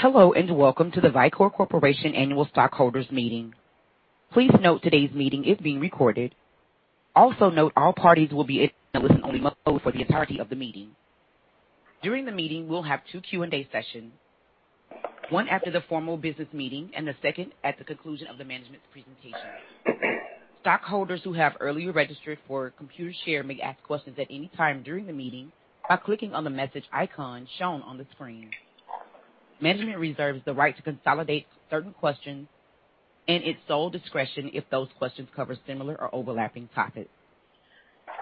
Hello, welcome to the Vicor Corporation Annual Stockholders Meeting. Please note today's meeting is being recorded. Also note all parties will be for the entirety of the meeting. During the meeting, we'll have two Q&A sessions, one after the formal business meeting and the second at the conclusion of the management presentation. Stockholders who have earlier registered for a Computershare may ask questions at any time during the meeting by clicking on the message icon shown on the screen. Management reserves the right to consolidate certain questions in its sole discretion if those questions cover similar or overlapping topics.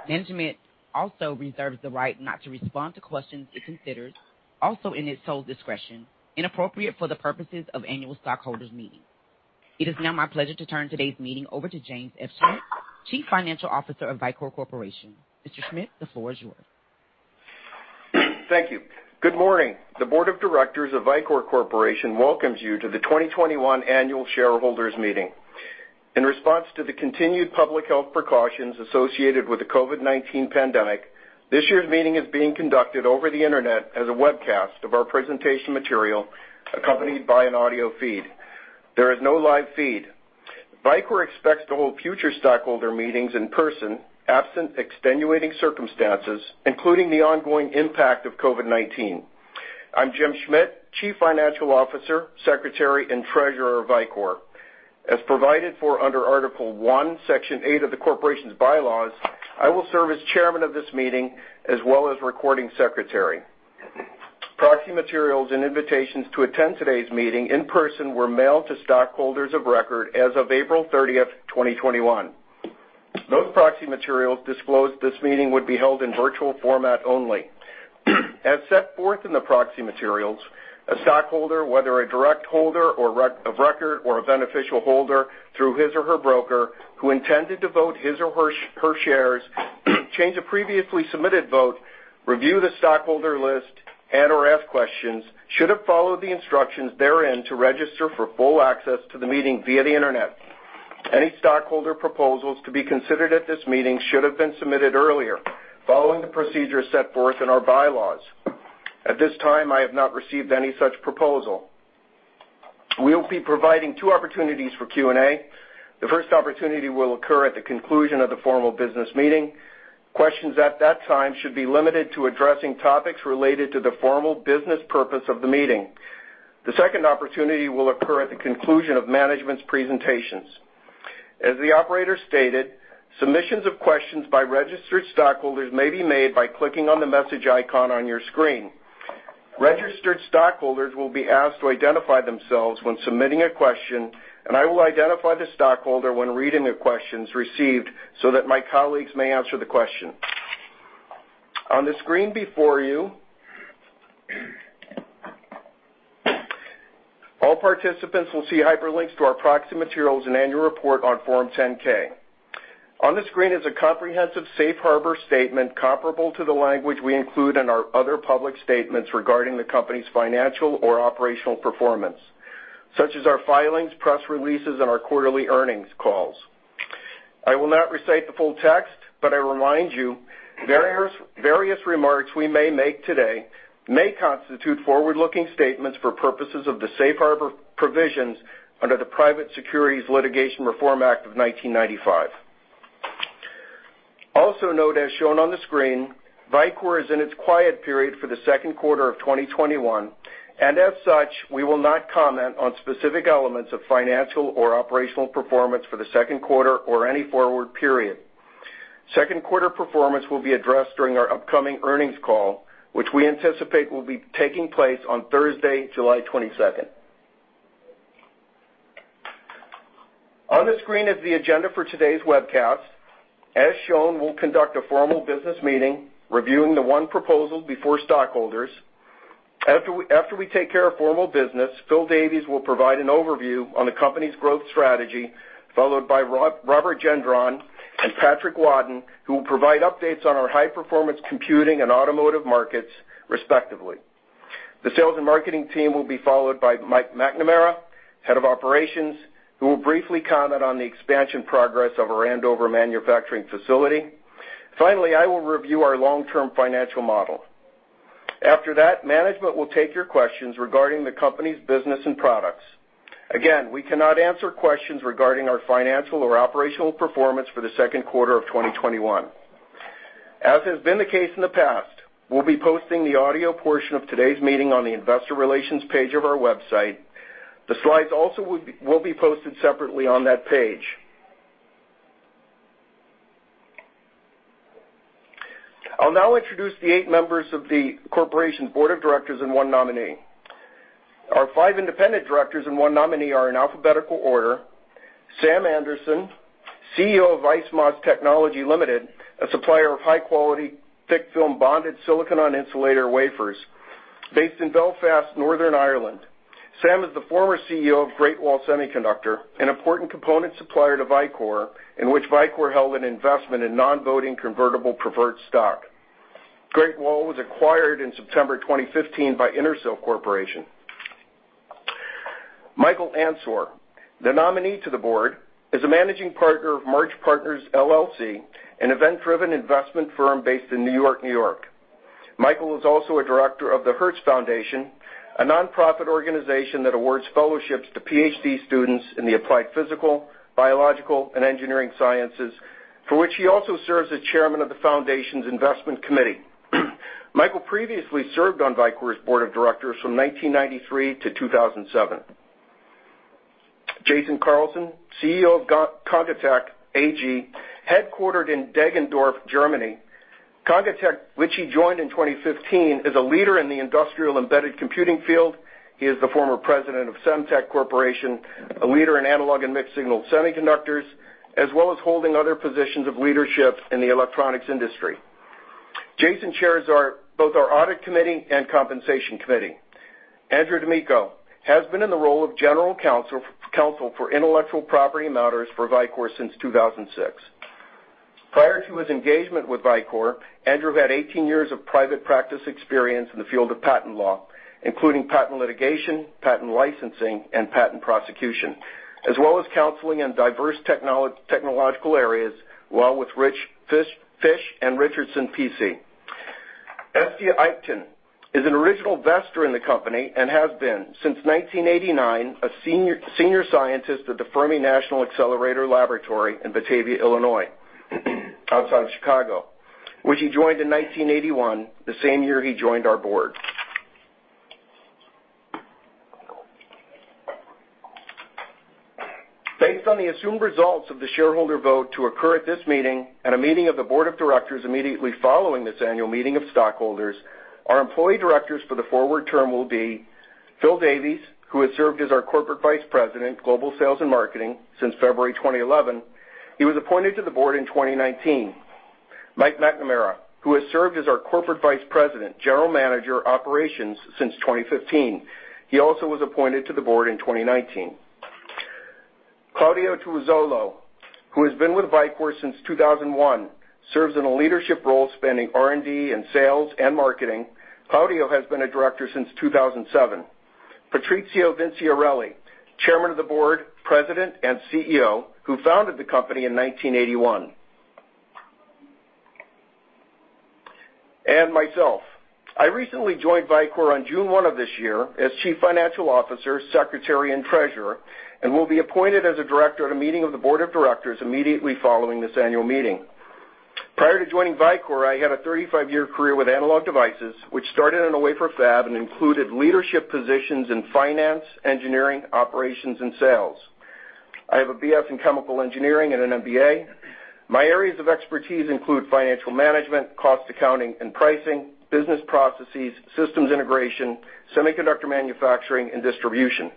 Management also reserves the right not to respond to questions it considers, also in its sole discretion, inappropriate for the purposes of Annual Stockholders' Meeting. It is now my pleasure to turn today's meeting over to James F. Schmidt, Chief Financial Officer of Vicor Corporation. Mr. Schmidt, the floor is yours. Thank you. Good morning. The Board of Directors of Vicor Corporation welcomes you to the 2021 Annual Shareholders Meeting. In response to the continued public health precautions associated with the COVID-19 pandemic, this year's meeting is being conducted over the Internet as a webcast of our presentation material accompanied by an audio feed. There is no live feed. Vicor expects to hold future stockholder meetings in person, absent extenuating circumstances, including the ongoing impact of COVID-19. I'm Jim Schmidt, Chief Financial Officer, Secretary, and Treasurer of Vicor. As provided for under Article I, Section 8 of the corporation's bylaws, I will serve as chairman of this meeting as well as recording secretary. Proxy materials and invitations to attend today's meeting in person were mailed to stockholders of record as of April 30th, 2021. Those proxy materials disclosed this meeting would be held in virtual format only. As set forth in the proxy materials, a stockholder, whether a direct holder of record or a beneficial holder through his or her broker who intended to vote his or her shares, change a previously submitted vote, review the stockholder list, and/or ask questions, should have followed the instructions therein to register for full access to the meeting via the Internet. Any stockholder proposals to be considered at this meeting should have been submitted earlier, following the procedure set forth in our bylaws. At this time, I have not received any such proposal. We will be providing two opportunities for Q&A. The first opportunity will occur at the conclusion of the formal business meeting. Questions at that time should be limited to addressing topics related to the formal business purpose of the meeting. The second opportunity will occur at the conclusion of management's presentations. As the operator stated, submissions of questions by registered stockholders may be made by clicking on the message icon on your screen. Registered stockholders will be asked to identify themselves when submitting a question, and I will identify the stockholder when reading the questions received so that my colleagues may answer the question. On the screen before you, all participants will see hyperlinks to our proxy materials and annual report on Form 10-K. On the screen is a comprehensive safe harbor statement comparable to the language we include in our other public statements regarding the company's financial or operational performance, such as our filings, press releases, and our quarterly earnings calls. I will not recite the full text, but I remind you, various remarks we may make today may constitute forward-looking statements for purposes of the safe harbor provisions under the Private Securities Litigation Reform Act of 1995. Also note as shown on the screen, Vicor is in its quiet period for the second quarter of 2021, and as such, we will not comment on specific elements of financial or operational performance for the second quarter or any forward period. Second quarter performance will be addressed during our upcoming earnings call, which we anticipate will be taking place on Thursday, July 22nd. On the screen is the agenda for today's webcast. As shown, we'll conduct a formal business meeting reviewing the one proposal before stockholders. After we take care of formal business, Phil Davies will provide an overview on the company's growth strategy, followed by Robert Gendron and Patrick Wadden, who will provide updates on our high-performance computing and automotive markets, respectively. The sales and marketing team will be followed by Mike McNamara, Head of Operations, who will briefly comment on the expansion progress of our Andover manufacturing facility. Finally, I will review our long-term financial model. After that, management will take your questions regarding the company's business and products. Again, we cannot answer questions regarding our financial or operational performance for the second quarter of 2021. As has been the case in the past, we will be posting the audio portion of today's meeting on the investor relations page of our website. The slides also will be posted separately on that page. I will now introduce the eight members of the corporation board of directors and one nominee. Our five independent directors and one nominee are in alphabetical order. Sam Anderson, CEO of IceMOS Technology Limited, a supplier of high-quality thick film bonded silicon on insulator wafers based in Belfast, Northern Ireland. Sam is the former CEO of Great Wall Semiconductor, an important component supplier to Vicor, in which Vicor held an investment in non-voting convertible preferred stock. Great Wall was acquired in September 2015 by Intersil Corporation. M. Michael Ansour, the nominee to the board, is a managing partner of March Partners LLC, an event-driven investment firm based in New York, N.Y. M. Michael is also a director of the Hertz Foundation, a nonprofit organization that awards fellowships to PhD students in the applied physical, biological, and engineering sciences, for which he also serves as chairman of the foundation's investment committee. Michael previously served on Vicor's board of directors from 1993 to 2007. Jason Carlson, CEO of congatec AG, headquartered in Deggendorf, Germany. congatec, which he joined in 2015, is a leader in the industrial embedded computing field. He is the former president of Semtech Corporation, a leader in analog and mixed-signal semiconductors, as well as holding one of leadership in the electronics industry. Jason chairs both our audit committee and compensation committee. Andrew D'Amico has been in the role of General Counsel for intellectual property matters for Vicor since 2006. Prior to his engagement with Vicor, Andrew had 18 years of private practice experience in the field of patent law, including patent litigation, patent licensing, and patent prosecution, as well as counseling in diverse technological areas while with Fish & Richardson P.C. Estia Eichten is an original investor in the company and has been, since 1989, a Senior Scientist at the Fermi National Accelerator Laboratory in Batavia, Illinois, outside of Chicago, which he joined in 1981, the same year he joined our board. Based on the assumed results of the shareholder vote to occur at this meeting and a meeting of the Board of Directors immediately following this Annual Meeting of Stockholders, our employee directors for the forward term will be Phil Davies, who has served as our Corporate Vice President, Global Sales and Marketing since February 2011. He was appointed to the board in 2019. Mike McNamara, who has served as our Corporate Vice President, General Manager, Operations since 2015. He also was appointed to the board in 2019. Claudio Tuozzolo, who has been with Vicor since 2001, serves in a leadership role spanning R&D and sales and marketing. Claudio has been a director since 2007. Patrizio Vinciarelli, Chairman of the Board, President, and CEO, who founded the company in 1981. Myself. I recently joined Vicor on July 1 of this year as Chief Financial Officer, Secretary, and Treasurer, and will be appointed as a Director at a meeting of the Board of Directors immediately following this Annual Meeting. Prior to joining Vicor, I had a 35-year career with Analog Devices, which started in a wafer fab and included leadership positions in finance, engineering, operations, and sales. I have a BS in chemical engineering and an MBA. My areas of expertise include financial management, cost accounting and pricing, business processes, systems integration, semiconductor manufacturing, and distribution.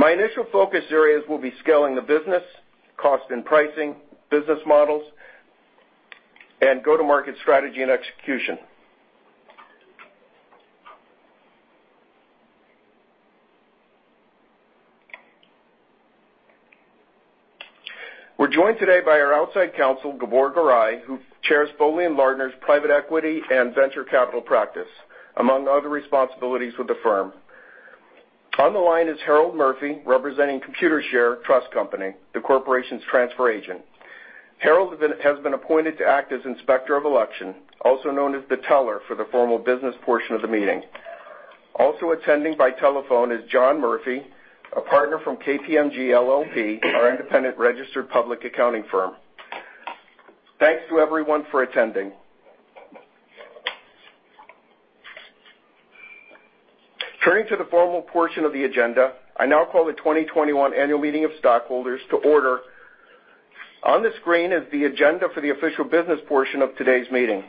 My initial focus areas will be scaling the business, cost and pricing, business models, and go-to-market strategy and execution. We're joined today by our outside counsel, Gabor Garai, who chairs Foley & Lardner's Private Equity & Venture Capital Practice, among other responsibilities with the firm. On the line is Harold Murphy, representing Computershare Trust Company, the corporation's transfer agent. Harold has been appointed to act as inspector of election, also known as the teller for the formal business portion of the meeting. Also attending by telephone is John Murphy, a partner from KPMG LLP, our independent registered public accounting firm. Thanks to everyone for attending. Turning to the formal portion of the agenda, I now call the 2021 annual meeting of stockholders to order. On the screen is the agenda for the official business portion of today's meeting.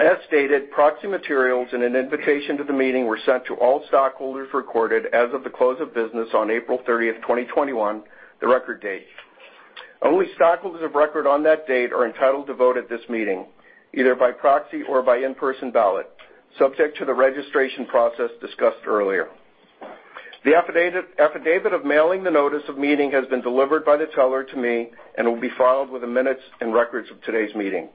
As stated, proxy materials and an invitation to the meeting were sent to all stockholders recorded as of the close of business on April 30th, 2021, the record date. Only stockholders of record on that date are entitled to vote at this meeting, either by proxy or by in-person ballot, subject to the registration process discussed earlier. The affidavit of mailing the notice of meeting has been delivered by the teller to me and will be filed with the minutes and records of today's meeting.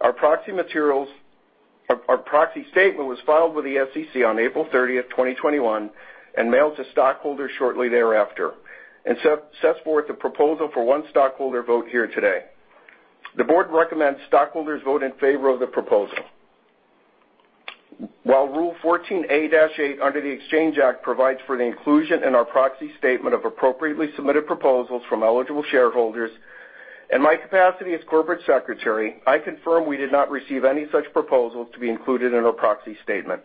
Our proxy statement was filed with the SEC on April 30th, 2021, and mailed to stockholders shortly thereafter, and sets forth the proposal for one stockholder vote here today. The board recommends stockholders vote in favor of the proposal. While Rule 14A-8 under the Exchange Act provides for an inclusion in our proxy statement of appropriately submitted proposals from eligible shareholders, in my capacity as corporate secretary, I confirm we did not receive any such proposals to be included in our proxy statement.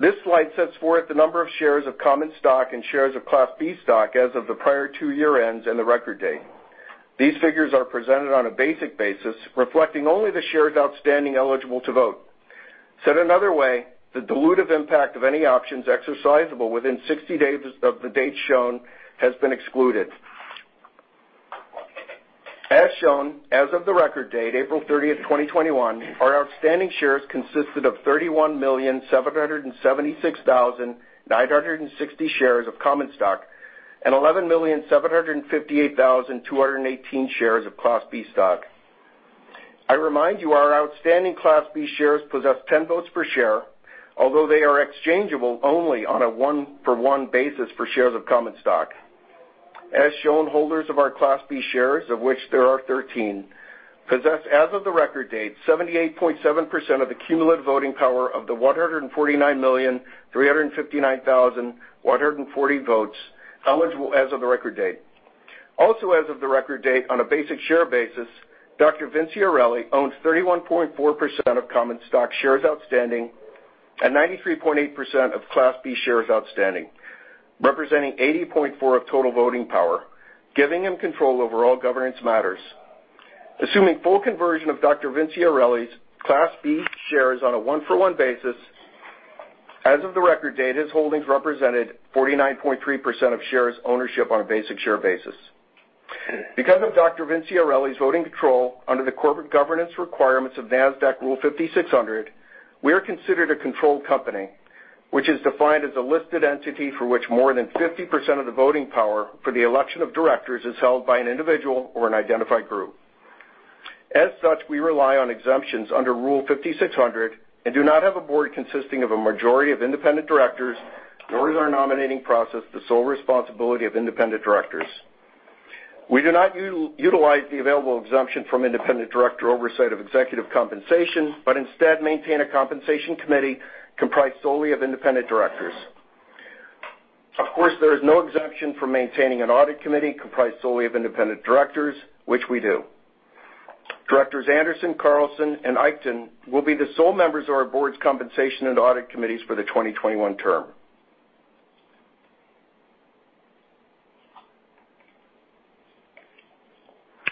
This slide sets forth the number of shares of common stock and shares of Class B stock as of the prior two year-ends and the record date. These figures are presented on a basic basis, reflecting only the shares outstanding eligible to vote. Said another way, the dilutive impact of any options exercisable within 60 days of the dates shown has been excluded. As shown, as of the record date, April 30, 2021, our outstanding shares consisted of 31,776,960 shares of common stock and 11,758,218 shares of Class B stock. I remind you our outstanding Class B shares possess 10 votes per share, although they are exchangeable only on a one-for-one basis for shares of common stock. As shown, holders of our Class B shares, of which there are 13, possess as of the record date, 78.7% of the cumulative voting power of the 149,359,140 votes eligible as of the record date. As of the record date, on a basic share basis, Dr. Vinciarelli owns 31.4% of common stock shares outstanding and 93.8% of Class B shares outstanding, representing 80.4% of total voting power, giving him control over all governance matters. Assuming full conversion of Dr. Vinciarelli's Class B shares on a one-for-one basis, as of the record date, his holdings represented 49.3% of shares ownership on a basic share basis. Because of Dr. Vinciarelli's voting control under the corporate governance requirements of NASDAQ Rule 5600, we are considered a controlled company, which is defined as a listed entity for which more than 50% of the voting power for the election of directors is held by an individual or an identified group. We rely on exemptions under Rule 5600 and do not have a board consisting of a majority of independent directors or is our nominating process the sole responsibility of independent directors. We do not utilize the available exemption from independent director oversight of executive compensation, but instead maintain a compensation committee comprised solely of independent directors. There is no exemption for maintaining an audit committee comprised solely of independent directors, which we do. Directors Anderson, Carlson, and Eichten will be the sole members of our board's compensation and audit committees for the 2021 term.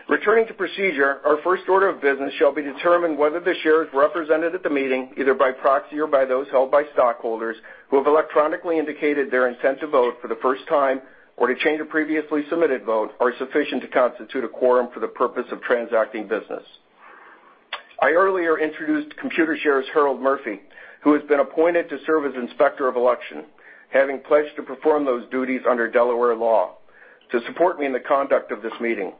Returning to procedure, our first order of business shall be determined whether the shares represented at the meeting, either by proxy or by those held by stockholders, who have electronically indicated their intent to vote for the first time or to change a previously submitted vote, are sufficient to constitute a quorum for the purpose of transacting business. I earlier introduced Computershare's Harold Murphy, who has been appointed to serve as Inspector of Election, having pledged to perform those duties under Delaware law to support me in the conduct of this meeting.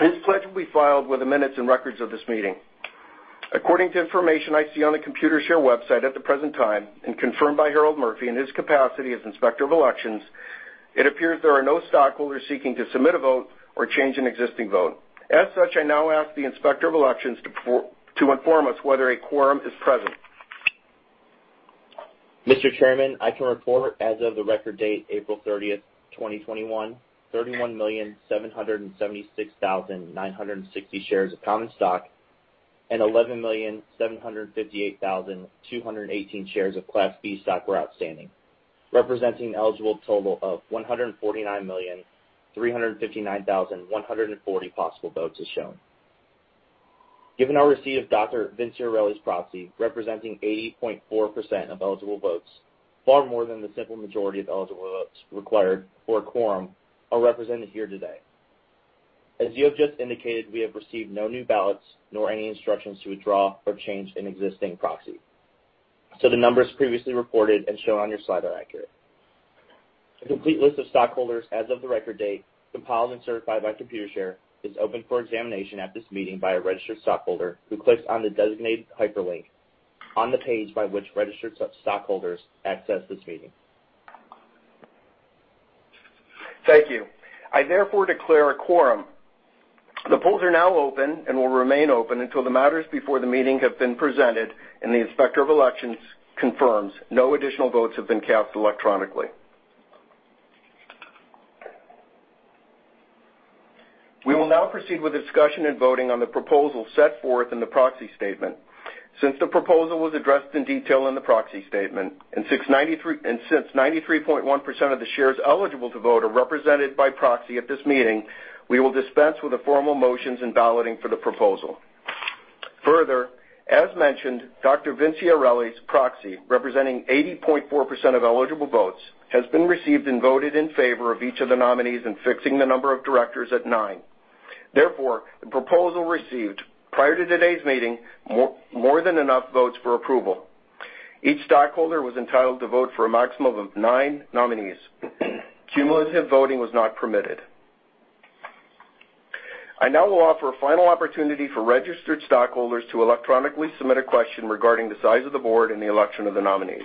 His pledge will be filed with the minutes and records of this meeting. According to information I see on the Computershare website at the present time, and confirmed by Harold Murphy in his capacity as Inspector of Elections, it appears there are no stockholders seeking to submit a vote or change an existing vote. As such, I now ask the Inspector of Elections to inform us whether a quorum is present. Mr. Chairman, I can report as of the record date, April 30th, 2021, 31,776,960 shares of common stock and 11,758,218 shares of Class B stock were outstanding, representing eligible total of 149,359,140 possible votes as shown. Given our receipt of Dr. Vinciarelli's proxy, representing 80.4% of eligible votes, far more than the simple majority of eligible votes required for a quorum are represented here today. As you have just indicated, we have received no new ballots nor any instructions to withdraw or change an existing proxy. The numbers previously reported and shown on your slide are accurate. A complete list of stockholders as of the record date, compiled and certified by Computershare, is open for examination at this meeting by a registered stockholder who clicks on the designated hyperlink on the page by which registered stockholders access this meeting. Thank you. I therefore declare a quorum. The polls are now open and will remain open until the matters before the meeting have been presented and the Inspector of Elections confirms no additional votes have been cast electronically. We will now proceed with discussion and voting on the proposal set forth in the proxy statement. Since the proposal was addressed in detail in the proxy statement, and since 93.1% of the shares eligible to vote are represented by proxy at this meeting, we will dispense with the formal motions and balloting for the proposal. Further, as mentioned, Dr. Patrizio Vinciarelli's proxy, representing 80.4% of eligible votes, has been received and voted in favor of each of the nominees in fixing the number of directors at nine. Therefore, the proposal received, prior to today's meeting, more than enough votes for approval. Each stockholder was entitled to vote for a maximum of nine nominees. Cumulative voting was not permitted. I now will offer a final opportunity for registered stockholders to electronically submit a question regarding the size of the board and the election of the nominees.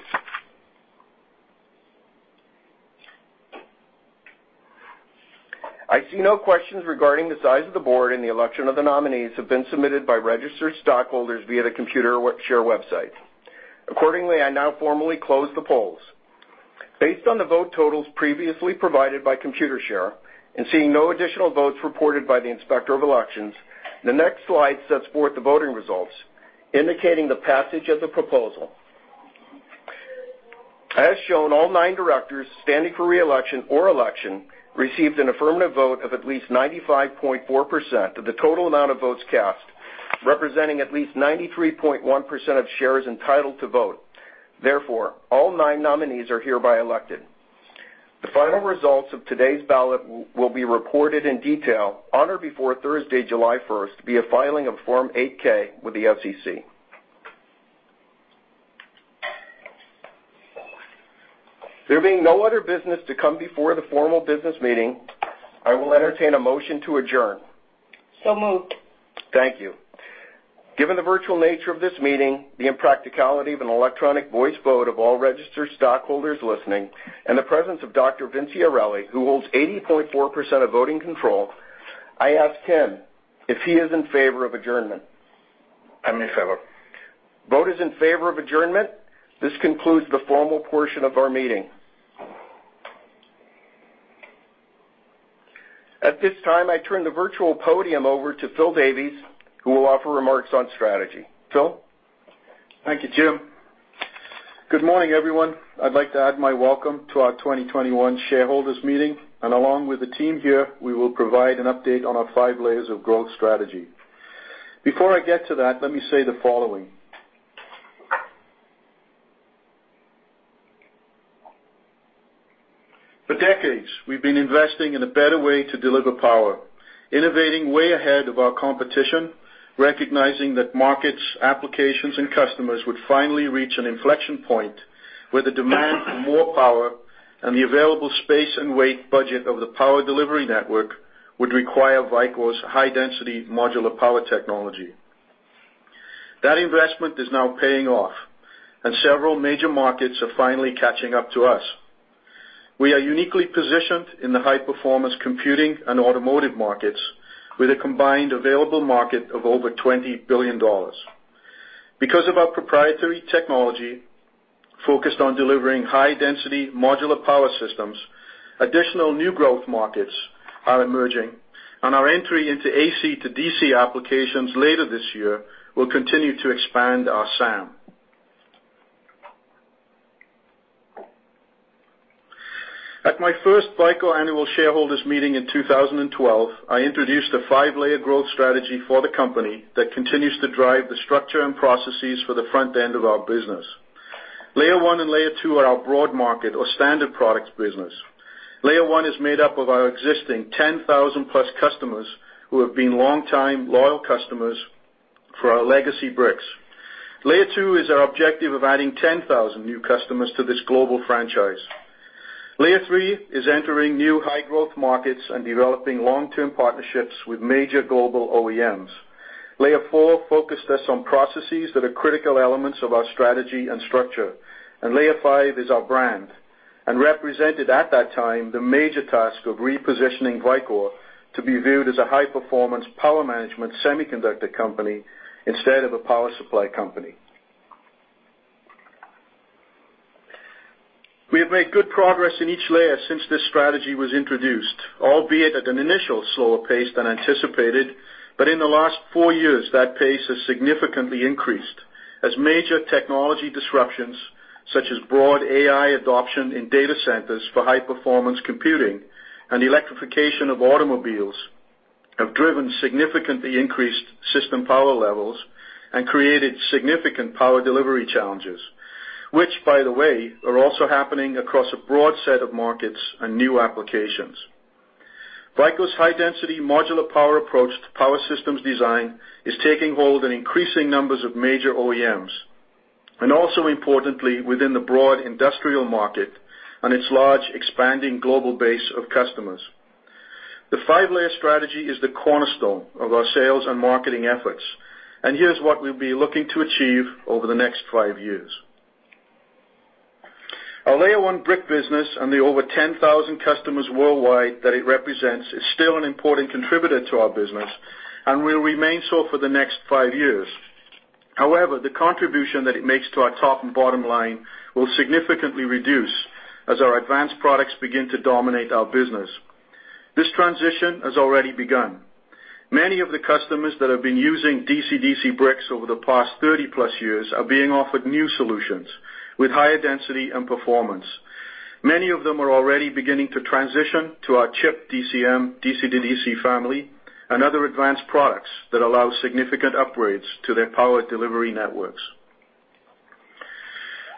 I see no questions regarding the size of the board and the election of the nominees have been submitted by registered stockholders via the Computershare website. Accordingly, I now formally close the polls. Based on the vote totals previously provided by Computershare, and seeing no additional votes reported by the Inspector of Elections, the next slide sets forth the voting results, indicating the passage of the proposal. As shown, all nine directors standing for re-election or election received an affirmative vote of at least 95.4% of the total amount of votes cast, representing at least 93.1% of shares entitled to vote. Therefore, all nine nominees are hereby elected. The final results of today's ballot will be recorded in detail on or before Thursday, July 1st, via filing of Form 8-K with the SEC. There being no other business to come before the formal business meeting, I will entertain a motion to adjourn. Moved. Thank you. Given the virtual nature of this meeting, the impracticality of an electronic voice vote of all registered stockholders listening, and the presence of Dr. Patrizio Vinciarelli, who holds 80.4% of voting control, I ask him if he is in favor of adjournment. I'm in favor. Vote is in favor of adjournment. This concludes the formal portion of our meeting. At this time, I turn the virtual podium over to Phil Davies, who will offer remarks on strategy. Phil? Thank you, Jim. Good morning, everyone. I'd like to add my welcome to our 2021 shareholders meeting. Along with the team here, we will provide an update on our Five Layers of Growth strategy. Before I get to that, let me say the following. For decades, we've been investing in a better way to deliver power, innovating way ahead of our competition, recognizing that markets, applications, and customers would finally reach an inflection point where the demand for more power and the available space and weight budget of the power delivery network would require Vicor's high-density modular power technology. That investment is now paying off. Several major markets are finally catching up to us. We are uniquely positioned in the high-performance computing and automotive markets with a combined available market of over $20 billion. Because of our proprietary technology focused on delivering high-density modular power systems, additional new growth markets are emerging, and our entry into AC to DC applications later this year will continue to expand our SAM. At my first Vicor annual shareholders meeting in 2012, I introduced a Five-Layer Growth strategy for the company that continues to drive the structure and processes for the front end of our business. layer one and layer two are our broad market or standard products business. layer one is made up of our existing 10,000+ customers who have been long-time loyal customers for our legacy bricks. layer two is our objective of adding 10,000 new customers to this global franchise. layer three is entering new high-growth markets and developing long-term partnerships with major global OEMs. Layer four focused us on processes that are critical elements of our strategy and structure. Layer five is our brand and represented at that time the major task of repositioning Vicor to be viewed as a high-performance power management semiconductor company instead of a power supply company. We have made good progress in each layer since this strategy was introduced, albeit at an initial slower pace than anticipated. In the last four years, that pace has significantly increased as major technology disruptions, such as broad AI adoption in data centers for high-performance computing and electrification of automobiles, have driven significantly increased system power levels and created significant power delivery challenges, which, by the way, are also happening across a broad set of markets and new applications. Vicor's high-density modular power approach to power systems design is taking hold in increasing numbers of major OEMs, and also importantly, within the broad industrial market and its large expanding global base of customers. The Five-Layer Strategy is the cornerstone of our sales and marketing efforts, and here's what we'll be looking to achieve over the next five years. Our layer one brick business and the over 10,000 customers worldwide that it represents is still an important contributor to our business and will remain so for the next five years. However, the contribution that it makes to our top and bottom line will significantly reduce as our advanced products begin to dominate our business. This transition has already begun. Many of the customers that have been using DC/DC bricks over the past 30+ years are being offered new solutions with higher density and performance. Many of them are already beginning to transition to our ChiP DCM DC/DC family and other advanced products that allow significant upgrades to their power delivery networks.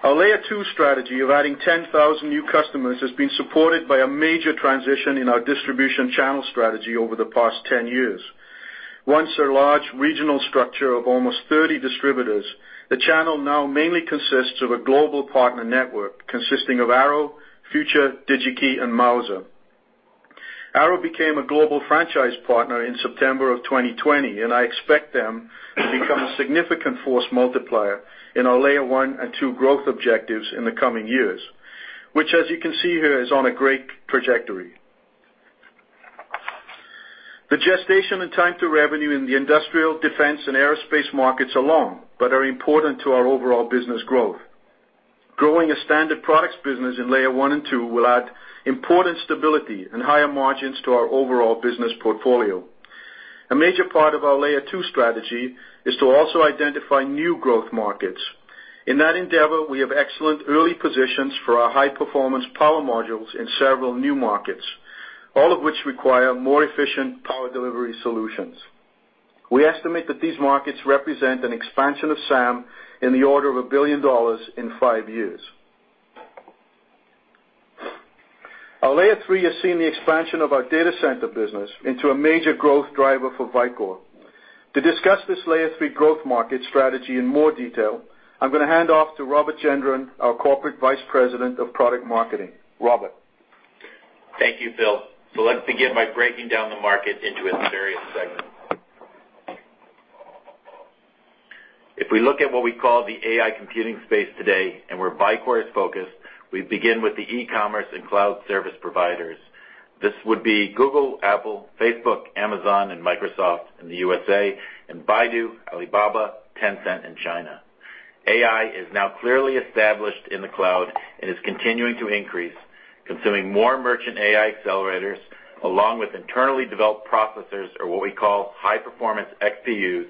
Our layer two strategy of adding 10,000 new customers has been supported by a major transition in our distribution channel strategy over the past 10 years. Once our large regional structure of almost 30 distributors, the channel now mainly consists of a global partner network consisting of Arrow, Future, Digi-Key, and Mouser. Arrow became a global franchise partner in September of 2020, and I expect them to become a significant force multiplier in our layer one and two growth objectives in the coming years, which as you can see here, is on a great trajectory. The gestation and time to revenue in the industrial, defense, and aerospace markets are long but are important to our overall business growth. Growing a standard products business layer one and two will add important stability and higher margins to our overall business portfolio. A major part of our layer two strategy is to also identify new growth markets. In that endeavor, we have excellent early positions for our high-performance power modules in several new markets, all of which require more efficient power delivery solutions. We estimate that these markets represent an expansion of SAM in the order of $1 billion in five years. Our layer three has seen the expansion of our data center business into a major growth driver for Vicor. To discuss this layer three growth market strategy in more detail, I'm going to hand off to Robert Gendron, our Corporate Vice President of Product Management. Robert. Thank you, Phil. Let's begin by breaking down the market into its various segments. If we look at what we call the AI computing space today, and where Vicor is focused, we begin with the e-commerce and cloud service providers. This would be Google, Apple, Facebook, Amazon, and Microsoft in the U.S.A., and Baidu, Alibaba, Tencent in China. AI is now clearly established in the cloud and is continuing to increase, consuming more merchant AI accelerators, along with internally developed processors or what we call high-performance XPUs,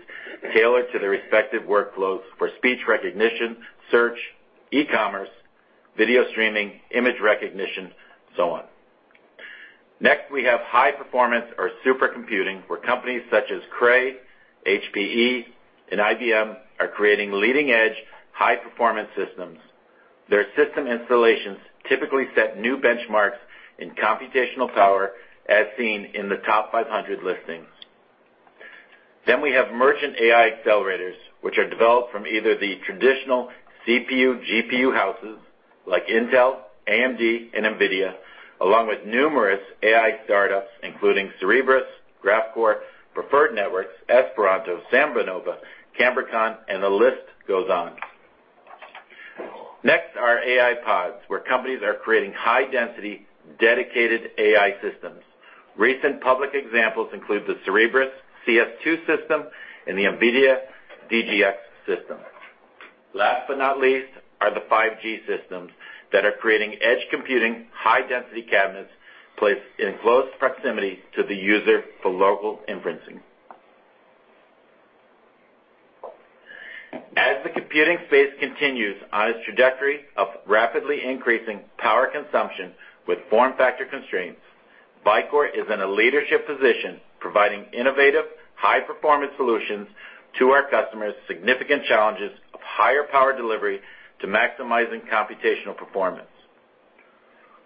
tailored to their respective workflows for speech recognition, search, e-commerce, video streaming, image recognition, so on. Next, we have high performance or supercomputing, where companies such as Cray, HPE, and IBM are creating leading-edge high-performance systems. Their system installations typically set new benchmarks in computational power, as seen in the TOP500 listings. We have merchant AI accelerators, which are developed from either the traditional CPU, GPU houses like Intel, AMD, and NVIDIA, along with numerous AI startups including Cerebras, Graphcore, Preferred Networks, Esperanto, SambaNova, Cambricon, and the list goes on. Next are AI pods, where companies are creating high-density dedicated AI systems. Recent public examples include the Cerebras CS-2 system and the NVIDIA DGX system. Last but not least are the 5G systems that are creating edge computing high-density cabinets placed in close proximity to the user for local inferencing. As the computing space continues on its trajectory of rapidly increasing power consumption with form factor constraints, Vicor is in a leadership position, providing innovative, high-performance solutions to our customers' significant challenges of higher power delivery to maximizing computational performance.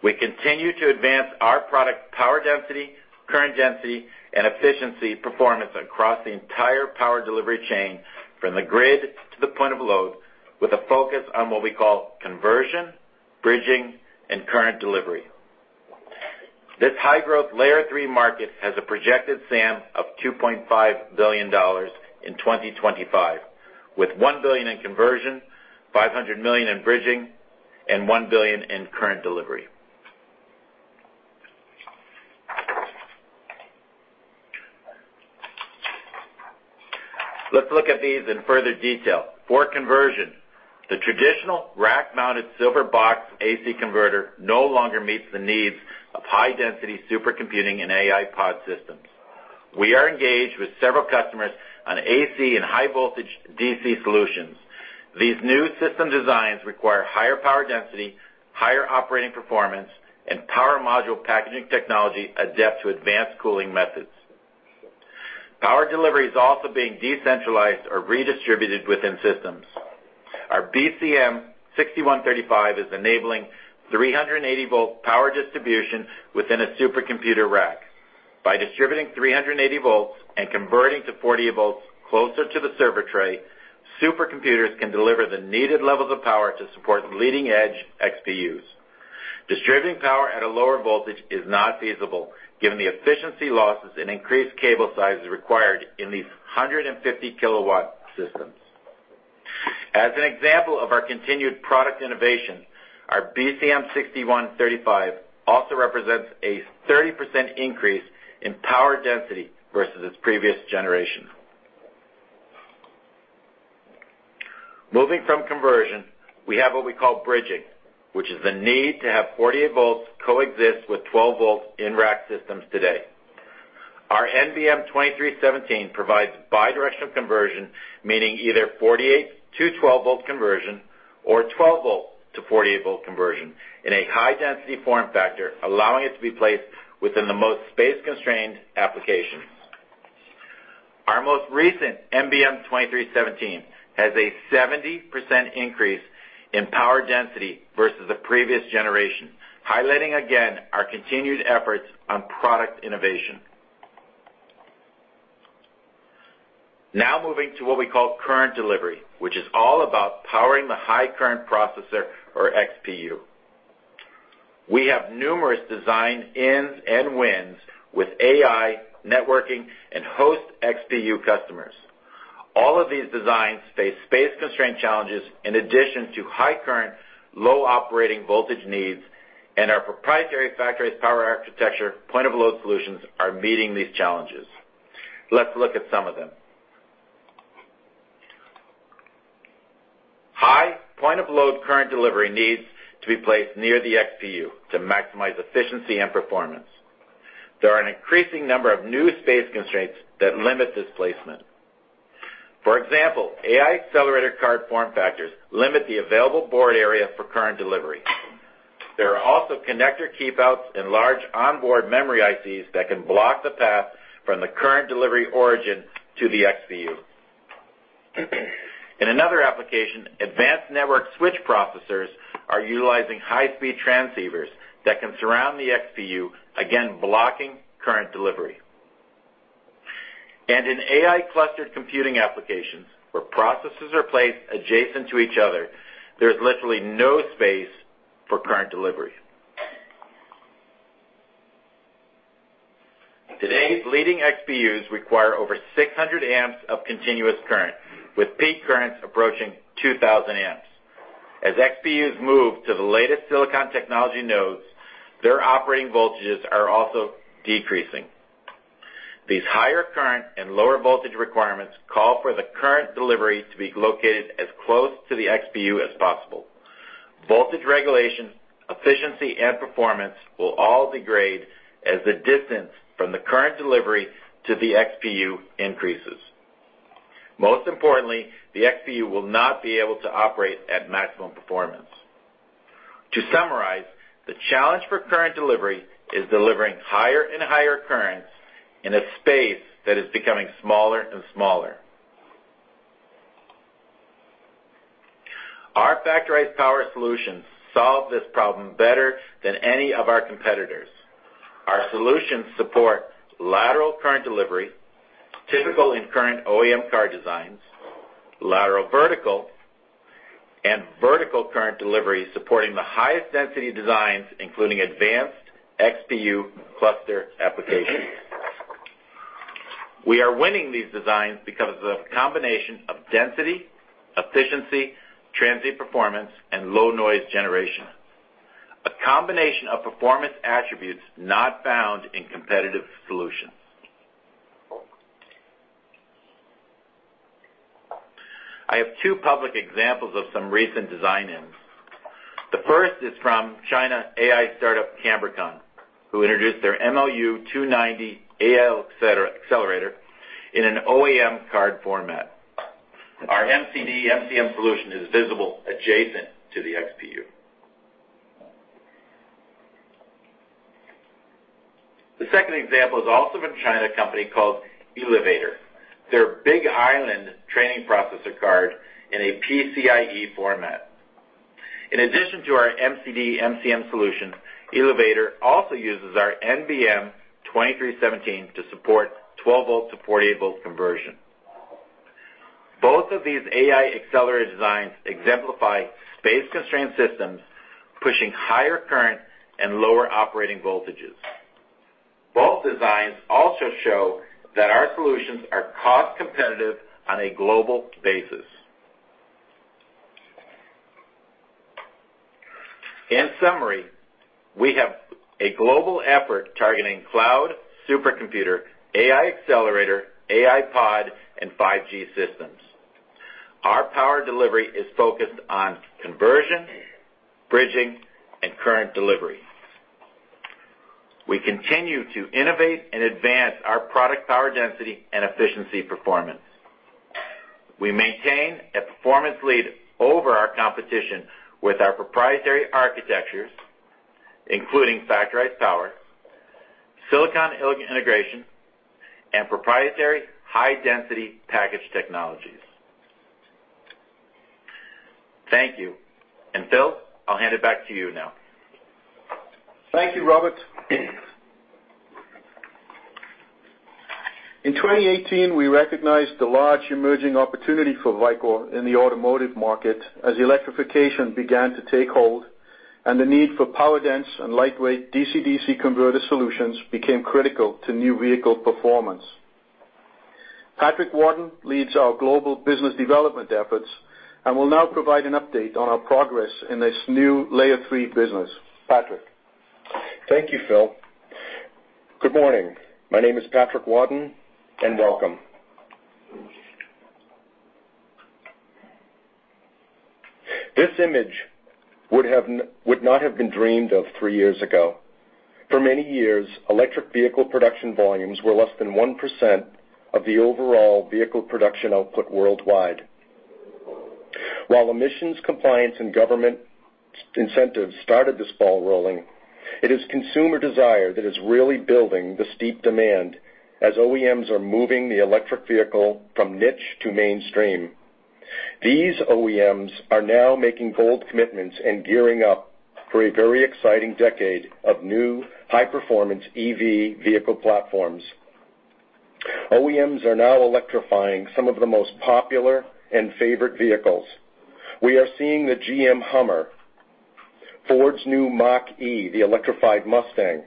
We continue to advance our product power density, current density, and efficiency performance across the entire power delivery chain, from the grid to the point of load, with a focus on what we call conversion, bridging, and current delivery. This high-growth layer three market has a projected SAM of $2.5 billion in 2025, with $1 billion in conversion, $500 million in bridging, and $1 billion in current delivery. Let's look at these in further detail. For conversion, the traditional rack-mounted silver box AC converter no longer meets the needs of high-density supercomputing and AI pod systems. We are engaged with several customers on AC and high-voltage DC solutions. These new system designs require higher power density, higher operating performance, and power module packaging technology adept to advanced cooling methods. Power delivery is also being decentralized or redistributed within systems. Our BCM6135 is enabling 380-V power distribution within a supercomputer rack. By distributing 380 V and converting to 40 V closer to the server tray, supercomputers can deliver the needed levels of power to support leading-edge XPUs. Distributing power at a lower voltage is not feasible given the efficiency losses and increased cable sizes required in these 150-kW systems. As an example of our continued product innovation, our BCM6135 also represents a 30% increase in power density versus its previous generation. Moving from conversion, we have what we call bridging, which is the need to have 48 V coexist with 12 V in rack systems today. Our NBM2317 provides bi-directional conversion, meaning either 48 V to 12 V conversion or 12 V to 48 V conversion in a high-density form factor, allowing it to be placed within the most space-constrained applications. Our most recent NBM2317 has a 70% increase in power density versus the previous generation, highlighting again our continued efforts on product innovation. Moving to what we call current delivery, which is all about powering the high current processor or XPU. We have numerous design-ins and wins with AI, networking, and host XPU customers. All of these designs face space constraint challenges in addition to high current, low operating voltage needs, and our proprietary Factorized Power architecture point-of-load solutions are meeting these challenges. Let's look at some of them. High point-of-load current delivery needs to be placed near the XPU to maximize efficiency and performance. There are an increasing number of new space constraints that limit this placement. For example, AI accelerator card form factors limit the available board area for current delivery. There are also connector keepouts and large onboard memory ICs that can block the path from the current delivery origin to the XPU. In another application, advanced network switch processors are utilizing high-speed transceivers that can surround the XPU, again, blocking current delivery. In AI cluster computing applications, where processors are placed adjacent to each other, there's literally no space for current delivery. Today's leading XPUs require over 600 amps of continuous current, with peak currents approaching 2,000 amps. As XPUs move to the latest silicon technology nodes, their operating voltages are also decreasing. These higher current and lower voltage requirements call for the current deliveries to be located as close to the XPU as possible. Voltage regulation, efficiency, and performance will all degrade as the distance from the current delivery to the XPU increases. Most importantly, the XPU will not be able to operate at maximum performance. To summarize, the challenge for current delivery is delivering higher and higher currents in a space that is becoming smaller and smaller. Our Factorized Power solutions solve this problem better than any of our competitors. Our solutions support lateral current delivery, typical in current OEM car designs, lateral vertical, and vertical current delivery supporting the highest density designs, including advanced XPU cluster applications. We are winning these designs because of the combination of density, efficiency, transient performance, and low noise generation. A combination of performance attributes not found in competitive solutions. I have two public examples of some recent design-ins. The first is from China AI startup Cambricon, who introduced their MLU290 AI accelerator in an OEM card format. Our MCD MCM solution is visible adjacent to the XPU. The second example is also from a China company called Tianshu Zhixin, their Big Island training processor card in a PCIe format. In addition to our MCD MCM solution, Iluvatar also uses our NBM2317 to support 12 V to 48 V conversion. Both of these AI accelerator designs exemplify space-constrained systems pushing higher current and lower operating voltages. Both designs also show that our solutions are cost-competitive on a global basis. In summary, we have a global effort targeting cloud, supercomputer, AI accelerator, AI pod, and 5G systems. Our power delivery is focused on conversion, bridging, and current delivery. We continue to innovate and advance our product power density and efficiency performance. We maintain a performance lead over our competition with our proprietary architectures, including Factorized Power, silicon integration, and proprietary high-density package technologies. Thank you. Phil, I'll hand it back to you now. Thank you, Robert. In 2018, we recognized the large emerging opportunity for Vicor in the automotive market as electrification began to take hold and the need for power-dense and lightweight DC/DC converter solutions became critical to new vehicle performance. Patrick Wadden leads our global business development efforts and will now provide an update on our progress in this new layer three business. Patrick. Thank you, Phil. Good morning. My name is Patrick Wadden, and welcome. This image would not have been dreamed of three years ago. For many years, electric vehicle production volumes were less than 1% of the overall vehicle production output worldwide. While emissions compliance and government incentives started this ball rolling, it is consumer desire that is really building the steep demand as OEMs are moving the electric vehicle from niche to mainstream. These OEMs are now making bold commitments and gearing up for a very exciting decade of new high-performance EV vehicle platforms. OEMs are now electrifying some of the most popular and favorite vehicles. We are seeing the GM HUMMER, Ford's new Mach-E, the electrified Mustang,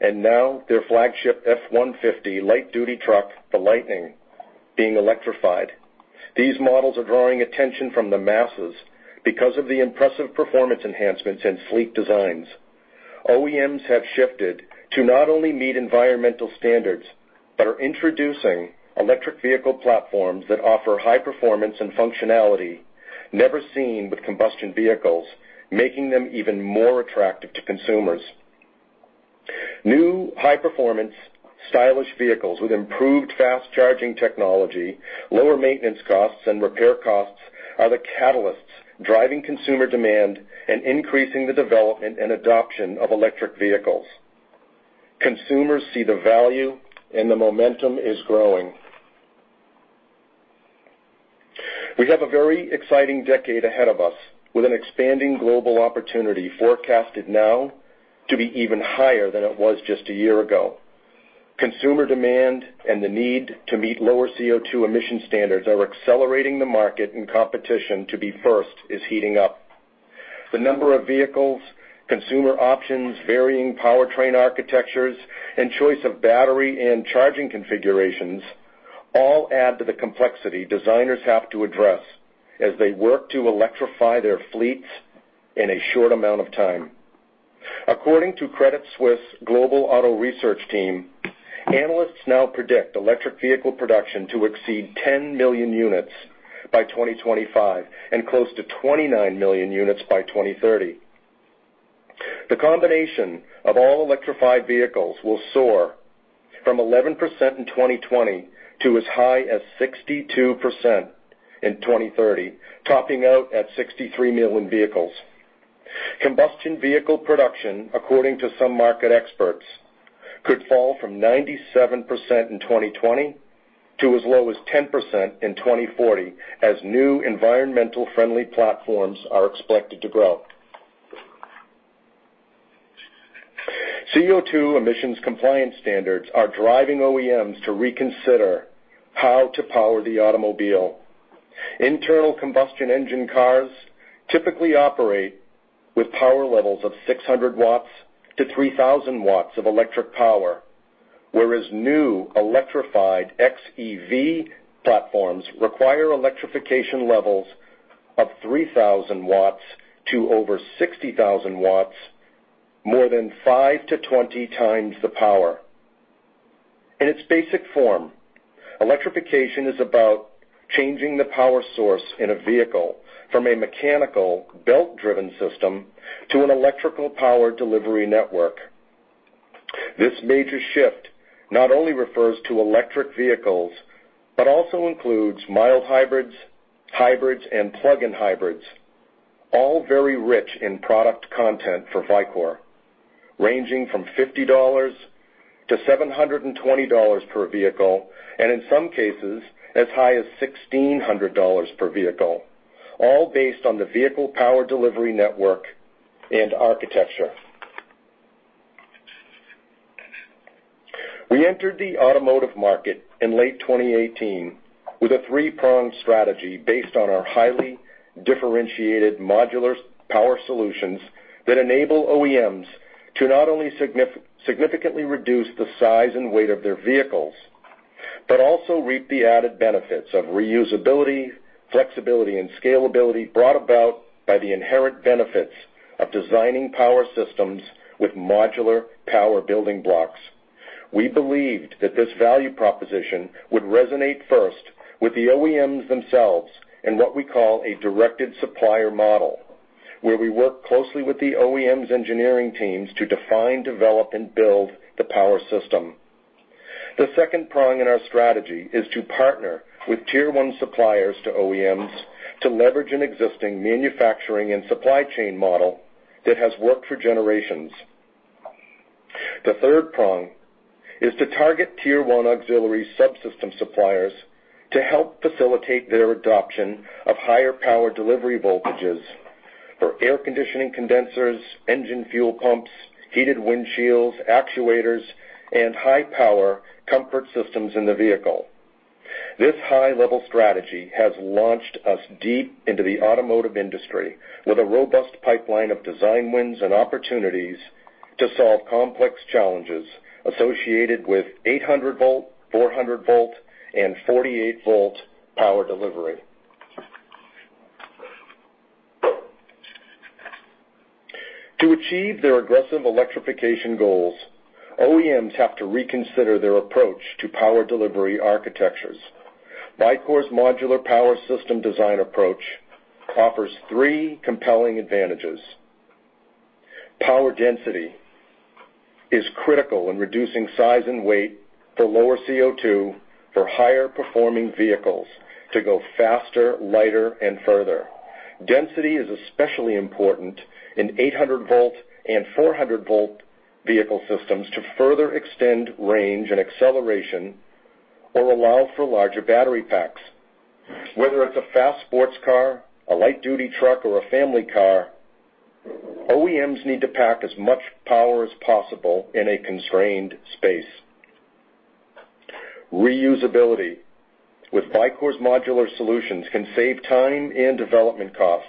and now their flagship F-150 light-duty truck, the Lightning, being electrified. These models are drawing attention from the masses because of the impressive performance enhancements and sleek designs. OEMs have shifted to not only meet environmental standards, but are introducing electric vehicle platforms that offer high performance and functionality never seen with combustion vehicles, making them even more attractive to consumers. New high-performance, stylish vehicles with improved fast-charging technology, lower maintenance costs, and repair costs are the catalysts driving consumer demand and increasing the development and adoption of electric vehicles. Consumers see the value and the momentum is growing. We have a very exciting decade ahead of us with an expanding global opportunity forecasted now to be even higher than it was just a year ago. Consumer demand and the need to meet lower CO2 emission standards are accelerating the market, and competition to be first is heating up. The number of vehicles, consumer options, varying powertrain architectures, and choice of battery and charging configurations all add to the complexity designers have to address as they work to electrify their fleets in a short amount of time. According to Credit Suisse global auto research team, analysts now predict electric vehicle production to exceed 10 million units by 2025 and close to 29 million units by 2030. The combination of all electrified vehicles will soar from 11% in 2020 to as high as 62% in 2030, topping out at 63 million vehicles. Combustion vehicle production, according to some market experts, could fall from 97% in 2020 to as low as 10% in 2040 as new environmental-friendly platforms are expected to grow. CO2 emissions compliance standards are driving OEMs to reconsider how to power the automobile. Internal combustion engine cars typically operate with power levels of 600 W-3,000 W of electric power, whereas new electrified xEV platforms require electrification levels of 3,000 W-over 60,000 W, more than 5x-20x the power. In its basic form, electrification is about changing the power source in a vehicle from a mechanical belt-driven system to an electrical power delivery network. This major shift not only refers to electric vehicles but also includes mild hybrids, and plug-in hybrids, all very rich in product content for Vicor, ranging from $50-$720 per vehicle, and in some cases, as high as $1,600 per vehicle, all based on the vehicle power delivery network and architecture. We entered the automotive market in late 2018 with a three-pronged strategy based on our highly differentiated modular power solutions that enable OEMs to not only significantly reduce the size and weight of their vehicles, but also reap the added benefits of reusability, flexibility, and scalability brought about by the inherent benefits of designing power systems with modular power building blocks. We believed that this value proposition would resonate first with the OEMs themselves in what we call a directed supplier model, where we work closely with the OEM's engineering teams to define, develop, and build the power system. The second prong in our strategy is to partner with Tier I suppliers to OEMs to leverage an existing manufacturing and supply chain model that has worked for generations. The third prong is to target Tier I auxiliary subsystem suppliers to help facilitate their adoption of higher power delivery voltages for air conditioning condensers, engine fuel pumps, heated windshields, actuators, and high-power comfort systems in the vehicle. This high-level strategy has launched us deep into the automotive industry with a robust pipeline of design wins and opportunities to solve complex challenges associated with 800-V, 400-V, and 48-V power delivery. To achieve their aggressive electrification goals, OEMs have to reconsider their approach to power delivery architectures. Vicor's modular power system design approach offers three compelling advantages. Power density is critical in reducing size and weight for lower CO2 for higher-performing vehicles to go faster, lighter, and further. Density is especially important in 800-V and 400-V vehicle systems to further extend range and acceleration or allow for larger battery packs. Whether it's a fast sports car, a light-duty truck, or a family car, OEMs need to pack as much power as possible in a constrained space. Reusability with Vicor's modular solutions can save time and development costs.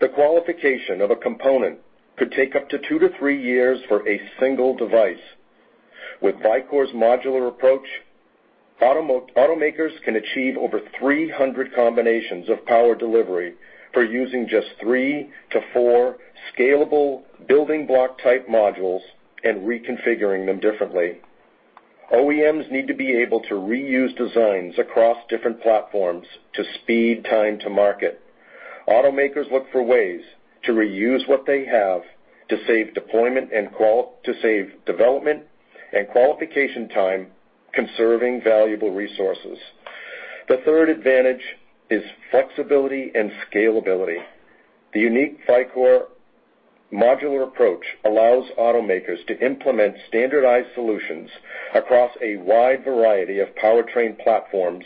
The qualification of a component could take up to two to three years for a one device. With Vicor's modular approach, automakers can achieve over 300 combinations of power delivery for using just three to four scalable building block-type modules and reconfiguring them differently. OEMs need to be able to reuse designs across different platforms to speed time to market. Automakers look for ways to reuse what they have to save development and qualification time, conserving valuable resources. The third advantage is flexibility and scalability. The unique Vicor modular approach allows automakers to implement standardized solutions across a wide variety of powertrain platforms,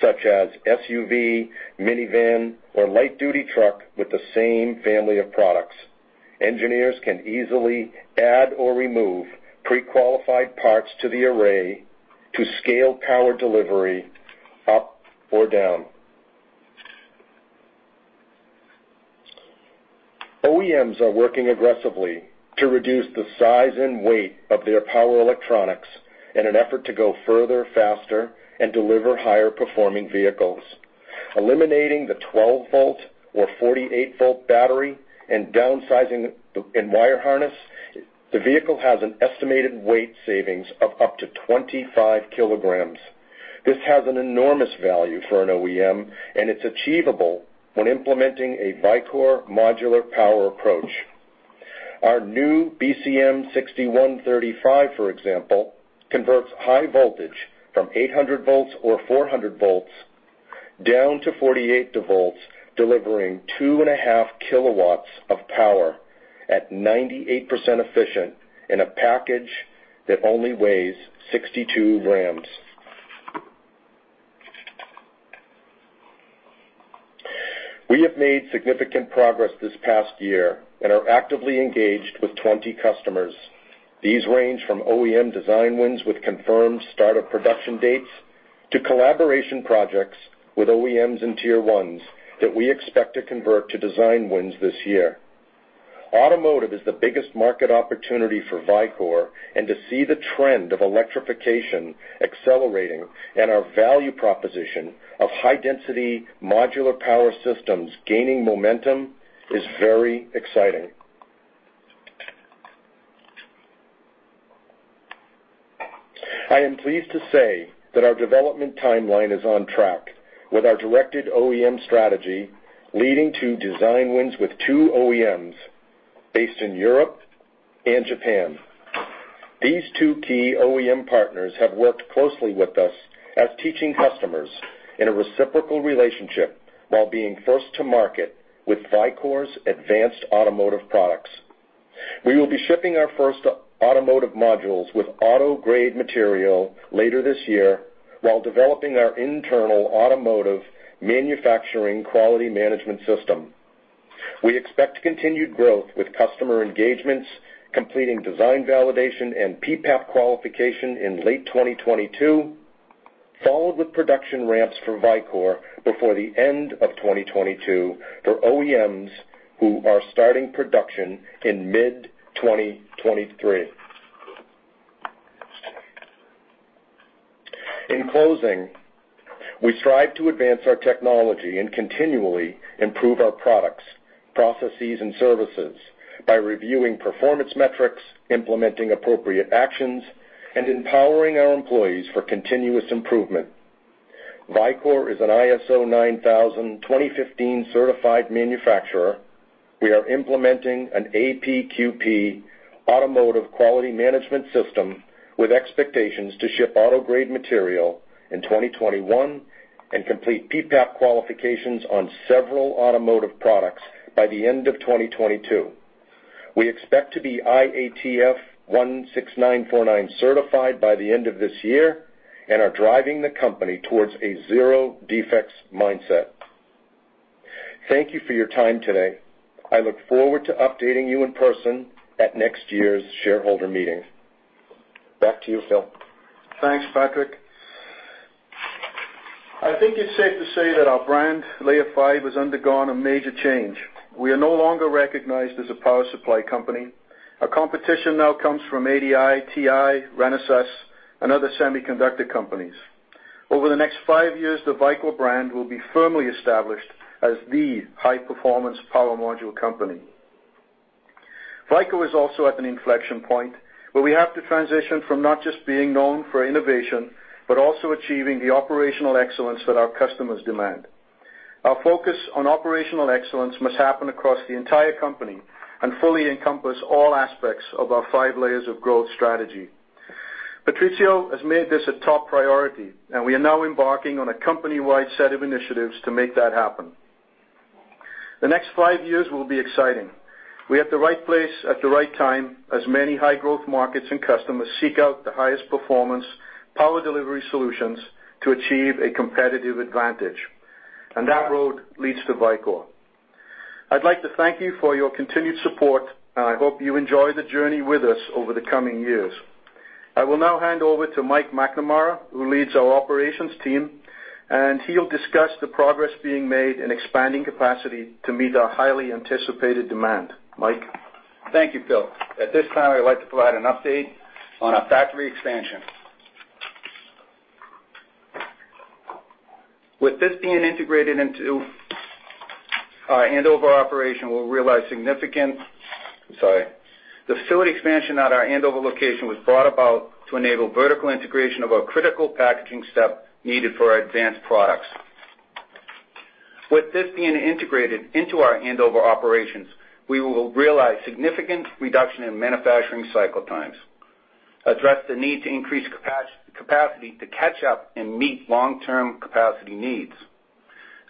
such as SUV, minivan, or light-duty truck with the same family of products. Engineers can easily add or remove pre-qualified parts to the array to scale power delivery up or down. OEMs are working aggressively to reduce the size and weight of their power electronics in an effort to go further, faster, and deliver higher-performing vehicles. Eliminating the 12-V or 48-V battery and downsizing in wire harness, the vehicle has an estimated weight savings of up to 25 kg. This has an enormous value for an OEM, and it's achievable when implementing a Vicor modular power approach. Our new BCM6135, for example, converts high voltage from 800 V or 400 V down to 48V, delivering 2.5 kW of power at 98% efficient in a package that only weighs 62 g. We have made significant progress this past year and are actively engaged with 20 customers. These range from OEM design wins with confirmed start-of-production dates to collaboration projects with OEMs Tier 1s that we expect to convert to design wins this year. Automotive is the biggest market opportunity for Vicor, and to see the trend of electrification accelerating and our value proposition of high-density modular power systems gaining momentum is very exciting. I am pleased to say that our development timeline is on track with our directed OEM strategy leading to design wins with two OEMs based in Europe and Japan. These two key OEM partners have worked closely with us as teaching customers in a reciprocal relationship while being first to market with Vicor's advanced automotive products. We will be shipping our first automotive modules with auto-grade material later this year while developing our internal automotive manufacturing quality management system. We expect continued growth with customer engagements, completing design validation, and PPAP qualification in late 2022, followed with production ramps for Vicor before the end of 2022 for OEMs who are starting production in mid-2023. In closing, we strive to advance our technology and continually improve our products, processes, and services by reviewing performance metrics, implementing appropriate actions, and empowering our employees for continuous improvement. Vicor is an ISO 9001:2015 certified manufacturer. We are implementing an APQP automotive quality management system with expectations to ship auto-grade material in 2021 and complete PPAP qualifications on several automotive products by the end of 2022. We expect to be IATF 16949 certified by the end of this year and are driving the company towards a zero-defects mindset. Thank you for your time today. I look forward to updating you in person at next year's shareholder meeting. Back to you, Phil. Thanks, Patrick. I think it's safe to say that our brand, Layer Five, has undergone a major change. We are no longer recognized as a power supply company. Our competition now comes from ADI, TI, Renesas, and other semiconductor companies. Over the next five years, the Vicor brand will be firmly established as the high-performance power module company. Vicor is also at an inflection point where we have to transition from not just being known for innovation, but also achieving the operational excellence that our customers demand. Our focus on operational excellence must happen across the entire company and fully encompass all aspects of our Five Layers of Growth strategy. Patrizio has made this a top priority, and we are now embarking on a company-wide set of initiatives to make that happen. The next five years will be exciting. We're at the right place at the right time as many high-growth markets and customers seek out the highest performance power delivery solutions to achieve a competitive advantage, and that road leads to Vicor. I'd like to thank you for your continued support, and I hope you enjoy the journey with us over the coming years. I will now hand over to Mike McNamara, who leads our operations team, and he'll discuss the progress being made in expanding capacity to meet our highly anticipated demand. Mike? Thank you, Phil. At this time, I'd like to provide an update on our factory expansion. The facility expansion at our Andover location was brought about to enable vertical integration of a critical packaging step needed for our advanced products. With this being integrated into our Andover operations, we will realize significant reduction in manufacturing cycle times, address the need to increase capacity to catch up and meet long-term capacity needs.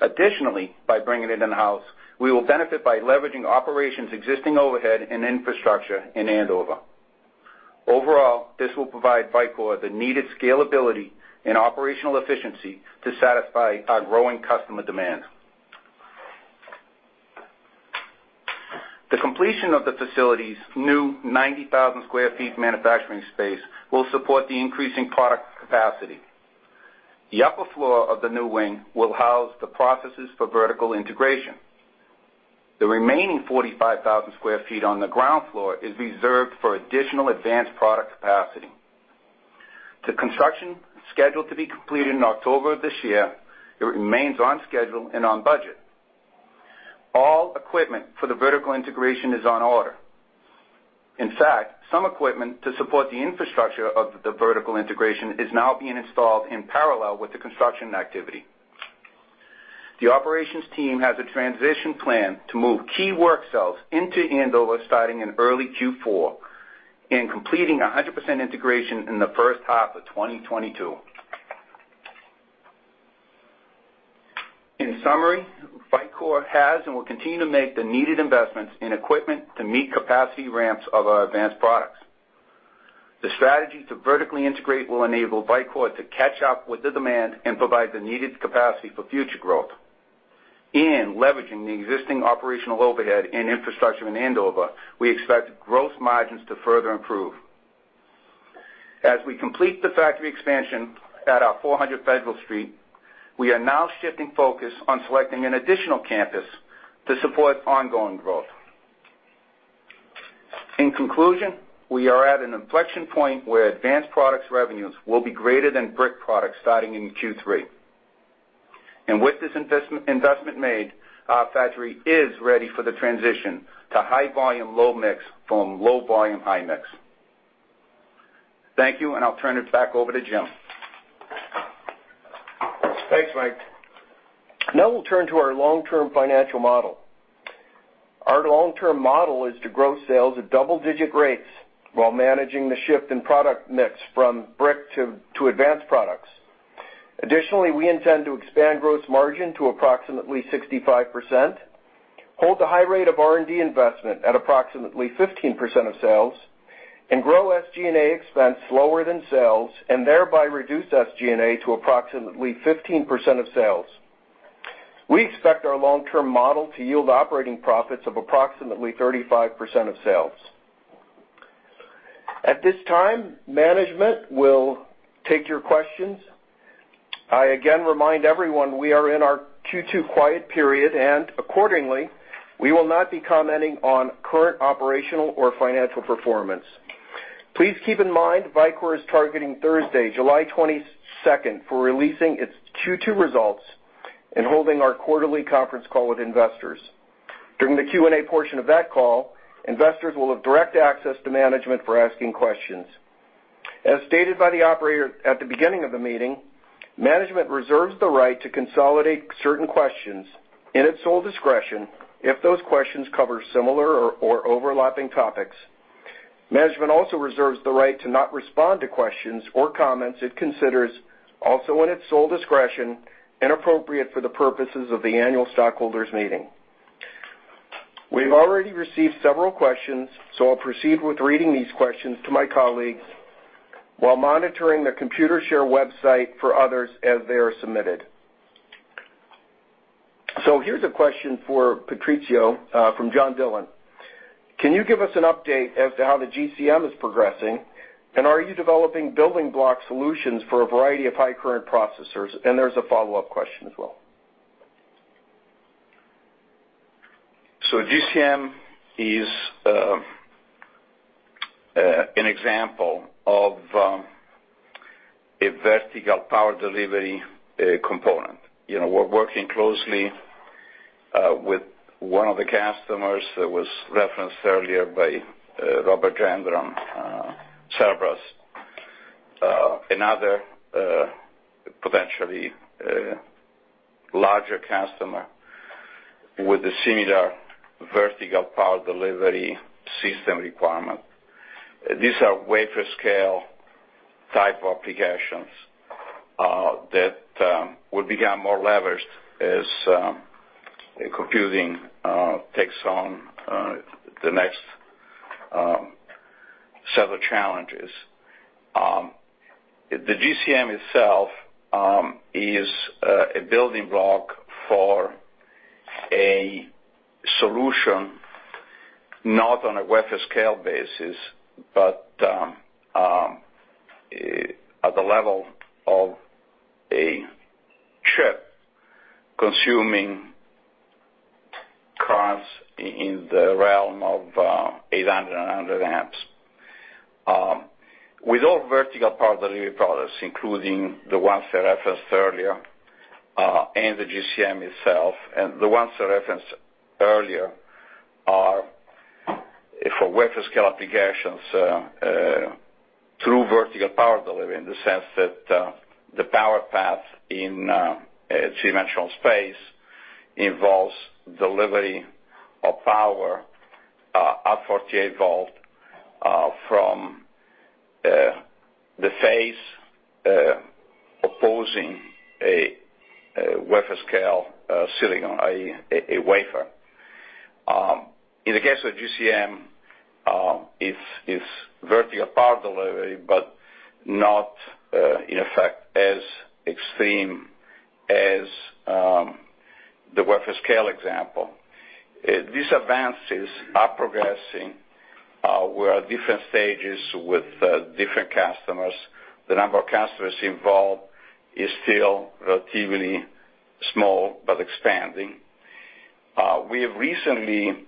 Additionally, by bringing it in-house, we will benefit by leveraging operations' existing overhead and infrastructure in Andover. Overall, this will provide Vicor the needed scalability and operational efficiency to satisfy our growing customer demand. The completion of the facility's new 90,000 sq ft manufacturing space will support the increasing product capacity. The upper floor of the new wing will house the processes for vertical integration. The remaining 45,000 sq ft on the ground floor is reserved for additional advanced product capacity. The construction, scheduled to be completed in October of this year, remains on schedule and on budget. All equipment for the vertical integration is on order. In fact, some equipment to support the infrastructure of the vertical integration is now being installed in parallel with the construction activity. The operations team has a transition plan to move key work cells into Andover starting in early Q4 and completing 100% integration in the first half of 2022. In summary, Vicor has and will continue to make the needed investments in equipment to meet capacity ramps of our advanced products. The strategy to vertically integrate will enable Vicor to catch up with the demand and provide the needed capacity for future growth. In leveraging the existing operational overhead and infrastructure in Andover, we expect gross margins to further improve. As we complete the factory expansion at our 400 Federal Street, we are now shifting focus on selecting an additional campus to support ongoing growth. In conclusion, we are at an inflection point where advanced products revenues will be greater than brick products starting in Q3. With this investment made, our factory is ready for the transition to high volume, low mix from low volume, high mix. Thank you, and I'll turn it back over to Jim. Thanks, Mike. We'll turn to our long-term financial model. Our long-term model is to grow sales at double-digit rates while managing the shift in product mix from brick to advanced products. We intend to expand gross margin to approximately 65%, hold the high rate of R&D investment at approximately 15% of sales, and grow SG&A expense slower than sales, and thereby reduce SG&A to approximately 15% of sales. We expect our long-term model to yield operating profits of approximately 35% of sales. At this time, management will take your questions. I again remind everyone we are in our Q2 quiet period, and accordingly, we will not be commenting on current operational or financial performance. Please keep in mind, Vicor is targeting Thursday, July 22nd, for releasing its Q2 results and holding our quarterly conference call with investors. During the Q&A portion of that call, investors will have direct access to management for asking questions. As stated by the operator at the beginning of the meeting, management reserves the right to consolidate certain questions in its sole discretion if those questions cover similar or overlapping topics. Management also reserves the right to not respond to questions or comments it considers, also in its sole discretion, inappropriate for the purposes of the annual stockholders meeting. We've already received several questions, so I'll proceed with reading these questions to my colleagues while monitoring the Computershare website for others as they are submitted. Here's a question for Patrizio from John Dillon. Can you give us an update as to how the GCM is progressing, and are you developing building block solutions for a variety of high current processors? There's a follow-up question as well. GCM is an example of a vertical power delivery component. We're working closely with one of the customers that was referenced earlier by Robert Gendron, Cerebras, another potentially larger customer with a similar vertical power delivery system requirement. These are wafer scale type applications that will become more leveraged as computing takes on the next set of challenges. The GCM itself is a building block for a solution, not on a wafer scale basis, but at the level of a chip consuming currents in the realm of 800 amps, 100 amps. With all vertical power delivery products, including the ones I referenced earlier and the GCM itself, wafer-scale applications through vertical power delivery in the sense that the power path in three-dimensional space involves delivery of power at 48 V from the face opposing a wafer scale silicon. In the case of GCM, it is vertical power delivery, but not in effect as extreme as the wafer scale example. These advances are progressing. We are at different stages with different customers. The number of customers involved is still relatively small, but expanding. We have recently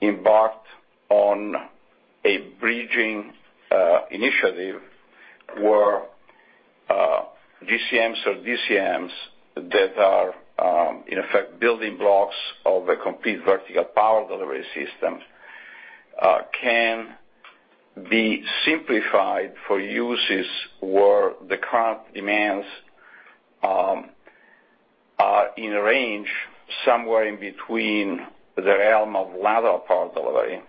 embarked on a bridging initiative where GCMs or DCMs that are in effect building blocks of a complete vertical power delivery system can be simplified for uses where the current demands are in range somewhere in between the realm of lateral power delivery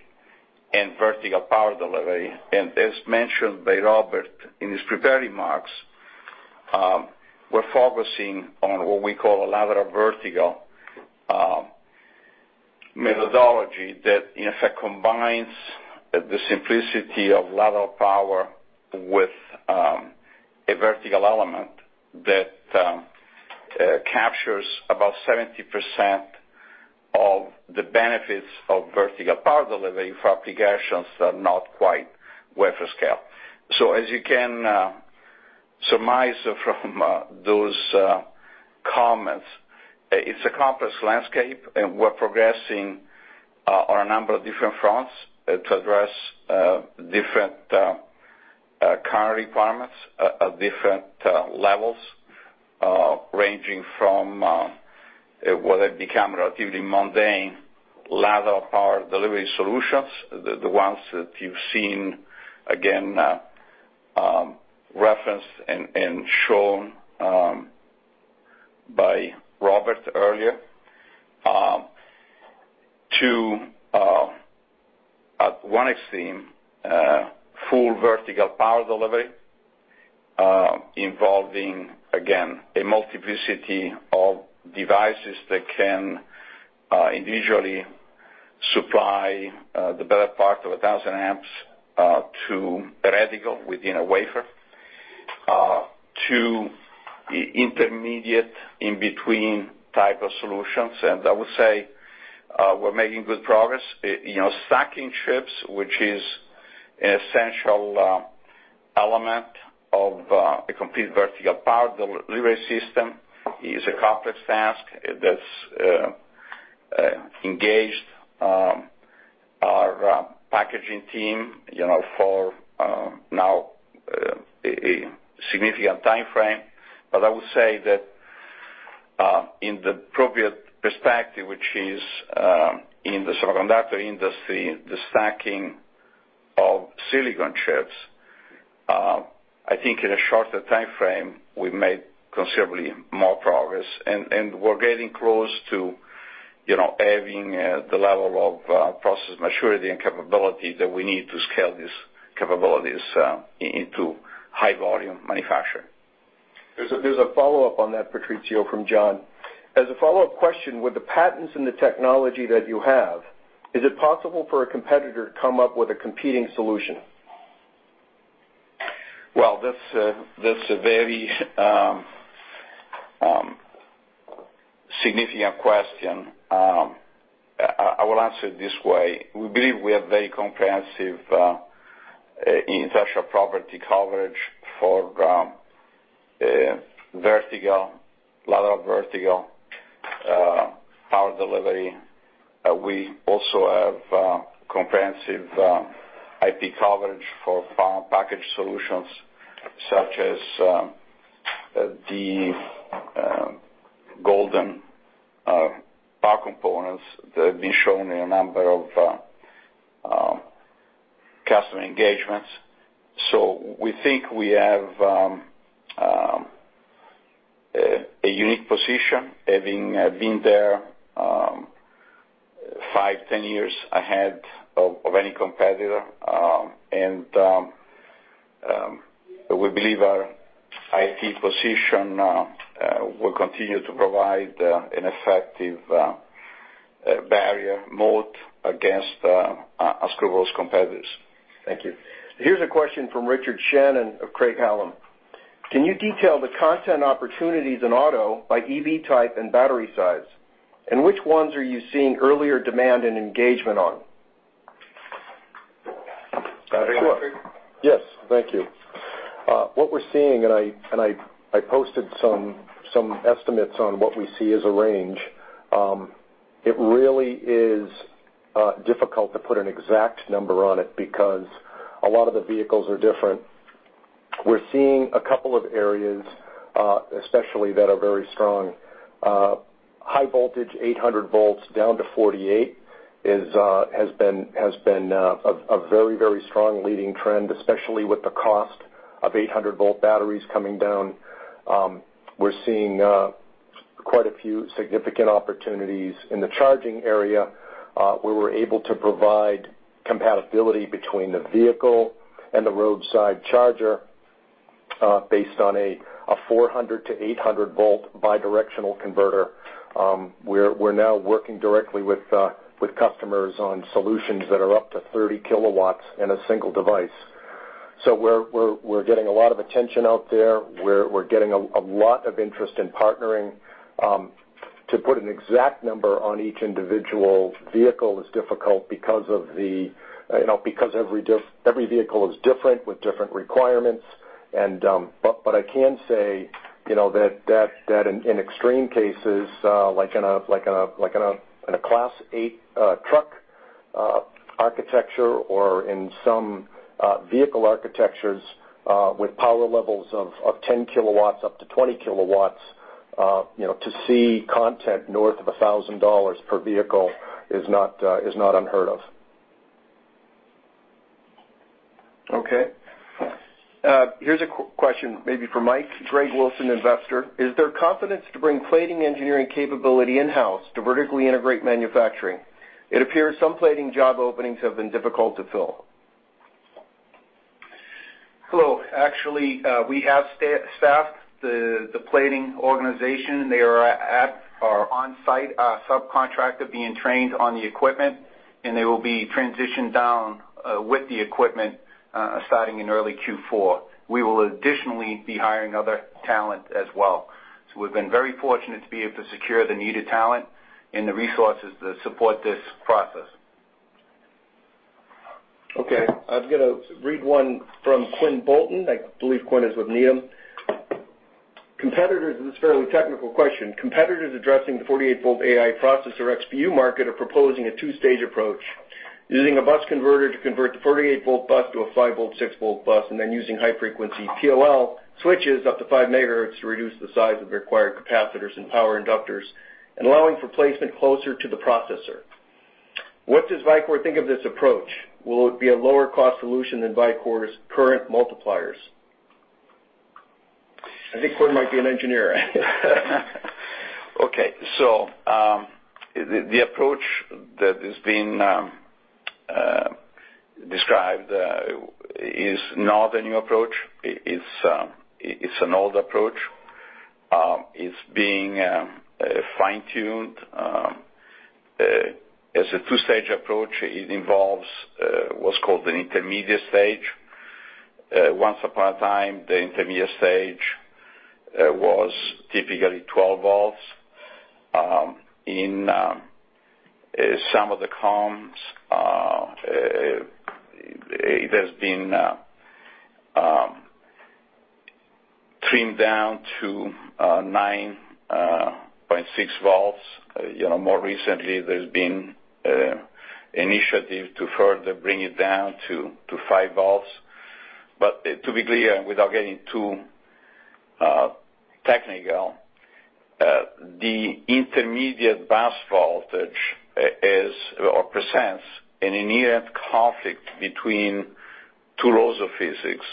and vertical power delivery. As mentioned by Robert in his prepared remarks, we are focusing on what we call a lateral vertical methodology that in fact combines the simplicity of lateral power with a vertical element that captures about 70% of the benefits of vertical power delivery for applications that are not quite wafer scale. As you can surmise from those comments, it's a complex landscape, and we're progressing on a number of different fronts to address different current requirements at different levels, ranging from what have become relatively mundane lateral power delivery solutions, the ones that you've seen, again, referenced and shown by Robert earlier, to, at one extreme, full vertical power delivery, involving, again, a multiplicity of devices that can individually supply the better part of 1,000 amps to the die level within a wafer, to intermediate in-between type of solutions. I would say we're making good progress. Stacking chips, which is an essential element of a complete vertical power delivery system, is a complex task that's engaged our packaging team for now a significant timeframe. I would say that in the appropriate perspective, which is in the semiconductor industry, the stacking of silicon chips, I think in a shorter timeframe, we made considerably more progress, and we're getting close to having the level of process maturity and capability that we need to scale these capabilities into high volume manufacturing. There's a follow-up on that, Patrizio, from John. As a follow-up question, with the patents and the technology that you have, is it possible for a competitor to come up with a competing solution? Well, that's a very significant question. I will answer it this way. We believe we have very comprehensive intellectual property coverage for vertical, lateral vertical power delivery. We also have comprehensive IP coverage for final package solutions such as the golden power components that have been shown in a number of customer engagements. We think we have a unique position, having been there five, 10 years ahead of any competitor, and we believe our IP position will continue to provide an effective barrier moat against those competitors. Thank you. Here's a question from Richard Shannon of Craig-Hallum. Can you detail the content opportunities in auto by EV type and battery size, and which ones are you seeing earlier demand and engagement on? Patrick? Yes. Thank you. What we're seeing, and I posted some estimates on what we see as a range. It really is difficult to put an exact number on it because a lot of the vehicles are different. We're seeing a couple of areas, especially that are very strong. High voltage, 800 V down to 48 V has been a very strong leading trend, especially with the cost of 800-V batteries coming down. We're seeing quite a few significant opportunities in the charging area, where we're able to provide compatibility between the vehicle and the roadside charger based on a 400 V-800 V bi-directional converter. We're now working directly with customers on solutions that are up to 30 kW in a single device. We're getting a lot of attention out there. We're getting a lot of interest in partnering. To put an exact number on each individual vehicle is difficult because every vehicle is different with different requirements. I can say that in extreme cases like in a Class 8 truck architecture or in some vehicle architectures with power levels of 10 kW up to 20 kW, to see content north of $1,000 per vehicle is not unheard of. Okay. Here's a question maybe for Mike. Greg Wilson, investor. Is there confidence to bring plating engineering capability in-house to vertically integrate manufacturing? It appears some plating job openings have been difficult to fill. Actually, we have staffed the plating organization. They are on-site, our subcontractor being trained on the equipment, and they will be transitioned down with the equipment starting in early Q4. We will additionally be hiring other talent as well. We've been very fortunate to be able to secure the needed talent and the resources to support this process. I was going to read one from Quinn Bolton. I believe Quinn is with Needham. This is a fairly technical question. Competitors addressing the 48 V AI processor XPU market are proposing a two-stage approach using a bus converter to convert the 48 V bus to a 5 V, 6 V bus, then using high-frequency POL switches up to 5 MHz to reduce the size of required capacitors and power inductors, allowing for placement closer to the processor. What does Vicor think of this approach? Will it be a lower cost solution than Vicor's current multipliers? I think Quinn might be an engineer. The approach that is being described is not a new approach. It's an old approach. It's being fine-tuned. As a two-stage approach, it involves what's called an intermediate stage. Once upon a time, the intermediate stage was typically 12 V. In some of the comms, it has been trimmed down to 9.6 V. More recently, there's been initiative to further bring it down to 5 V. To be clear, without getting too technical, the intermediate bus voltage represents an inherent conflict between two laws of physics,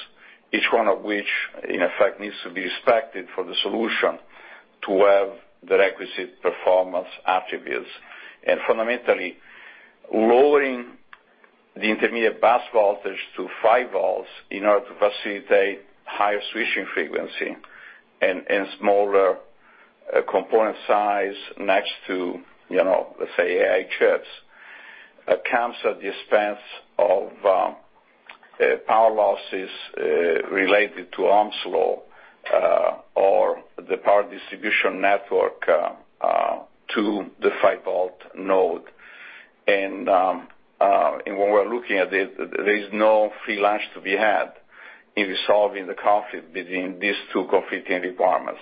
each one of which, in effect, needs to be expected for the solution to have the requisite performance attributes. Fundamentally, lowering the intermediate bus voltage to 5 V in order to facilitate higher switching frequency and smaller component size next to, let's say, XPUs, comes at the expense of power losses related to Ohm's law or the power distribution network to the 5-V node. When we're looking at it, there is no free lunch to be had in solving the conflict between these two conflicting requirements.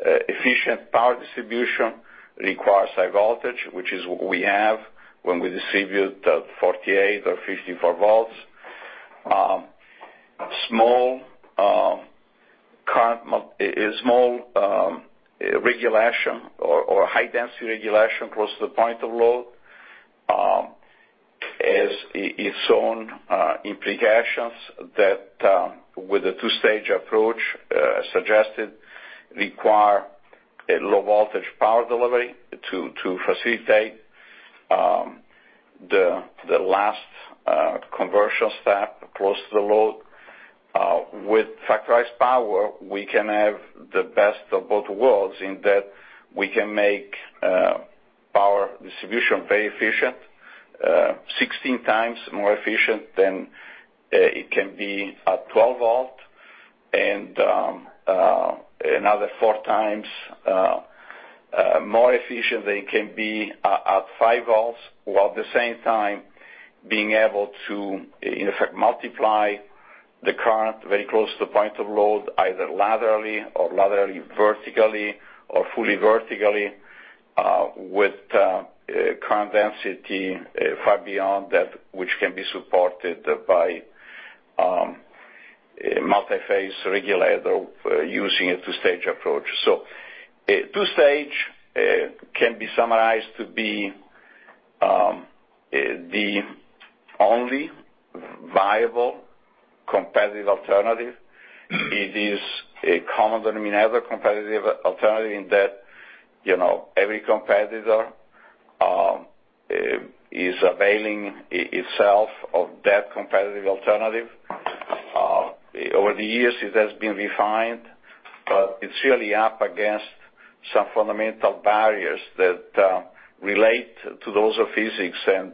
Efficient power distribution requires high voltage, which is what we have when we distribute at 48 V or 54 V. Small regulation or high density regulation close to the point of load has its own implications that, with the two-stage approach suggested, require a low voltage power delivery to facilitate the last conversion step close to the load. With Factorized Power, we can have the best of both worlds in that we can make power distribution very efficient, 16x more efficient than it can be at 12 V, and another 4x more efficient than it can be at 5 V, while at the same time being able to, in effect, multiply the current very close to the point of load, either laterally or vertically, or fully vertically with current density far beyond that which can be supported by a multiphase regulator using a two-stage approach. Two-stage can be summarized to be the only viable competitive alternative. It is a common denominator competitive alternative in that every competitor is availing itself of that competitive alternative. Over the years, it has been refined, but it's really up against some fundamental barriers that relate to those of physics, and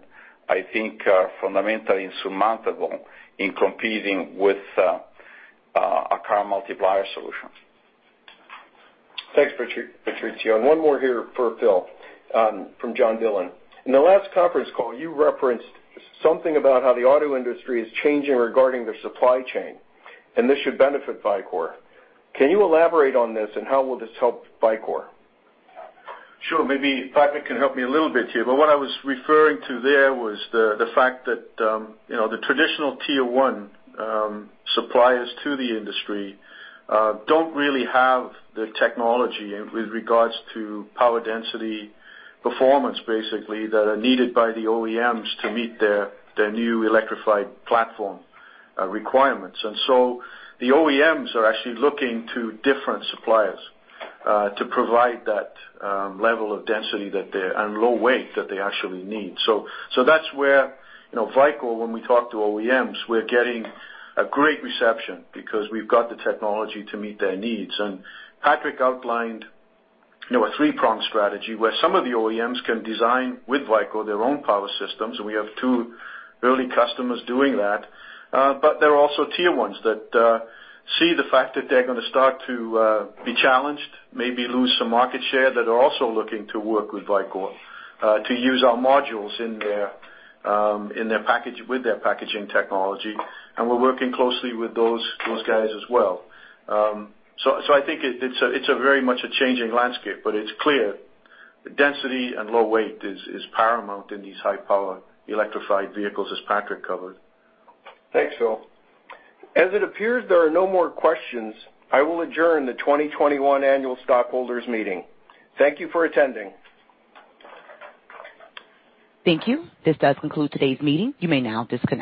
I think are fundamentally insurmountable in competing with a current multiplier solution. Thanks, Patrizio. One more here for Phil from John Dillon. In the last conference call, you referenced something about how the auto industry is changing regarding their supply chain, and this should benefit Vicor. Can you elaborate on this and how will this help Vicor? Sure. Maybe Patrick can help me a little bit here, but what I was referring to there was the fact that the Tier 1 suppliers to the industry don't really have the technology with regards to power density performance, basically, that are needed by the OEMs to meet their new electrified platform requirements. The OEMs are actually looking to different suppliers to provide that level of density and low weight that they actually need. That's where Vicor, when we talk to OEMs, we're getting a great reception because we've got the technology to meet their needs. Patrick outlined a three-pronged strategy where some of the OEMs can design with Vicor their own power systems, and we have two early customers doing that. There are also Tier 1s that see the fact that they're going to start to be challenged, maybe lose some market share, that are also looking to work with Vicor to use our modules with their packaging technology. We're working closely with those guys as well. I think it's a very much a changing landscape, but it's clear the density and low weight is paramount in these high-power electrified vehicles, as Patrick covered. Thanks, Phil. As it appears there are no more questions, I will adjourn the 2021 annual stockholders meeting. Thank you for attending. Thank you. This does conclude today's meeting. You may now disconnect.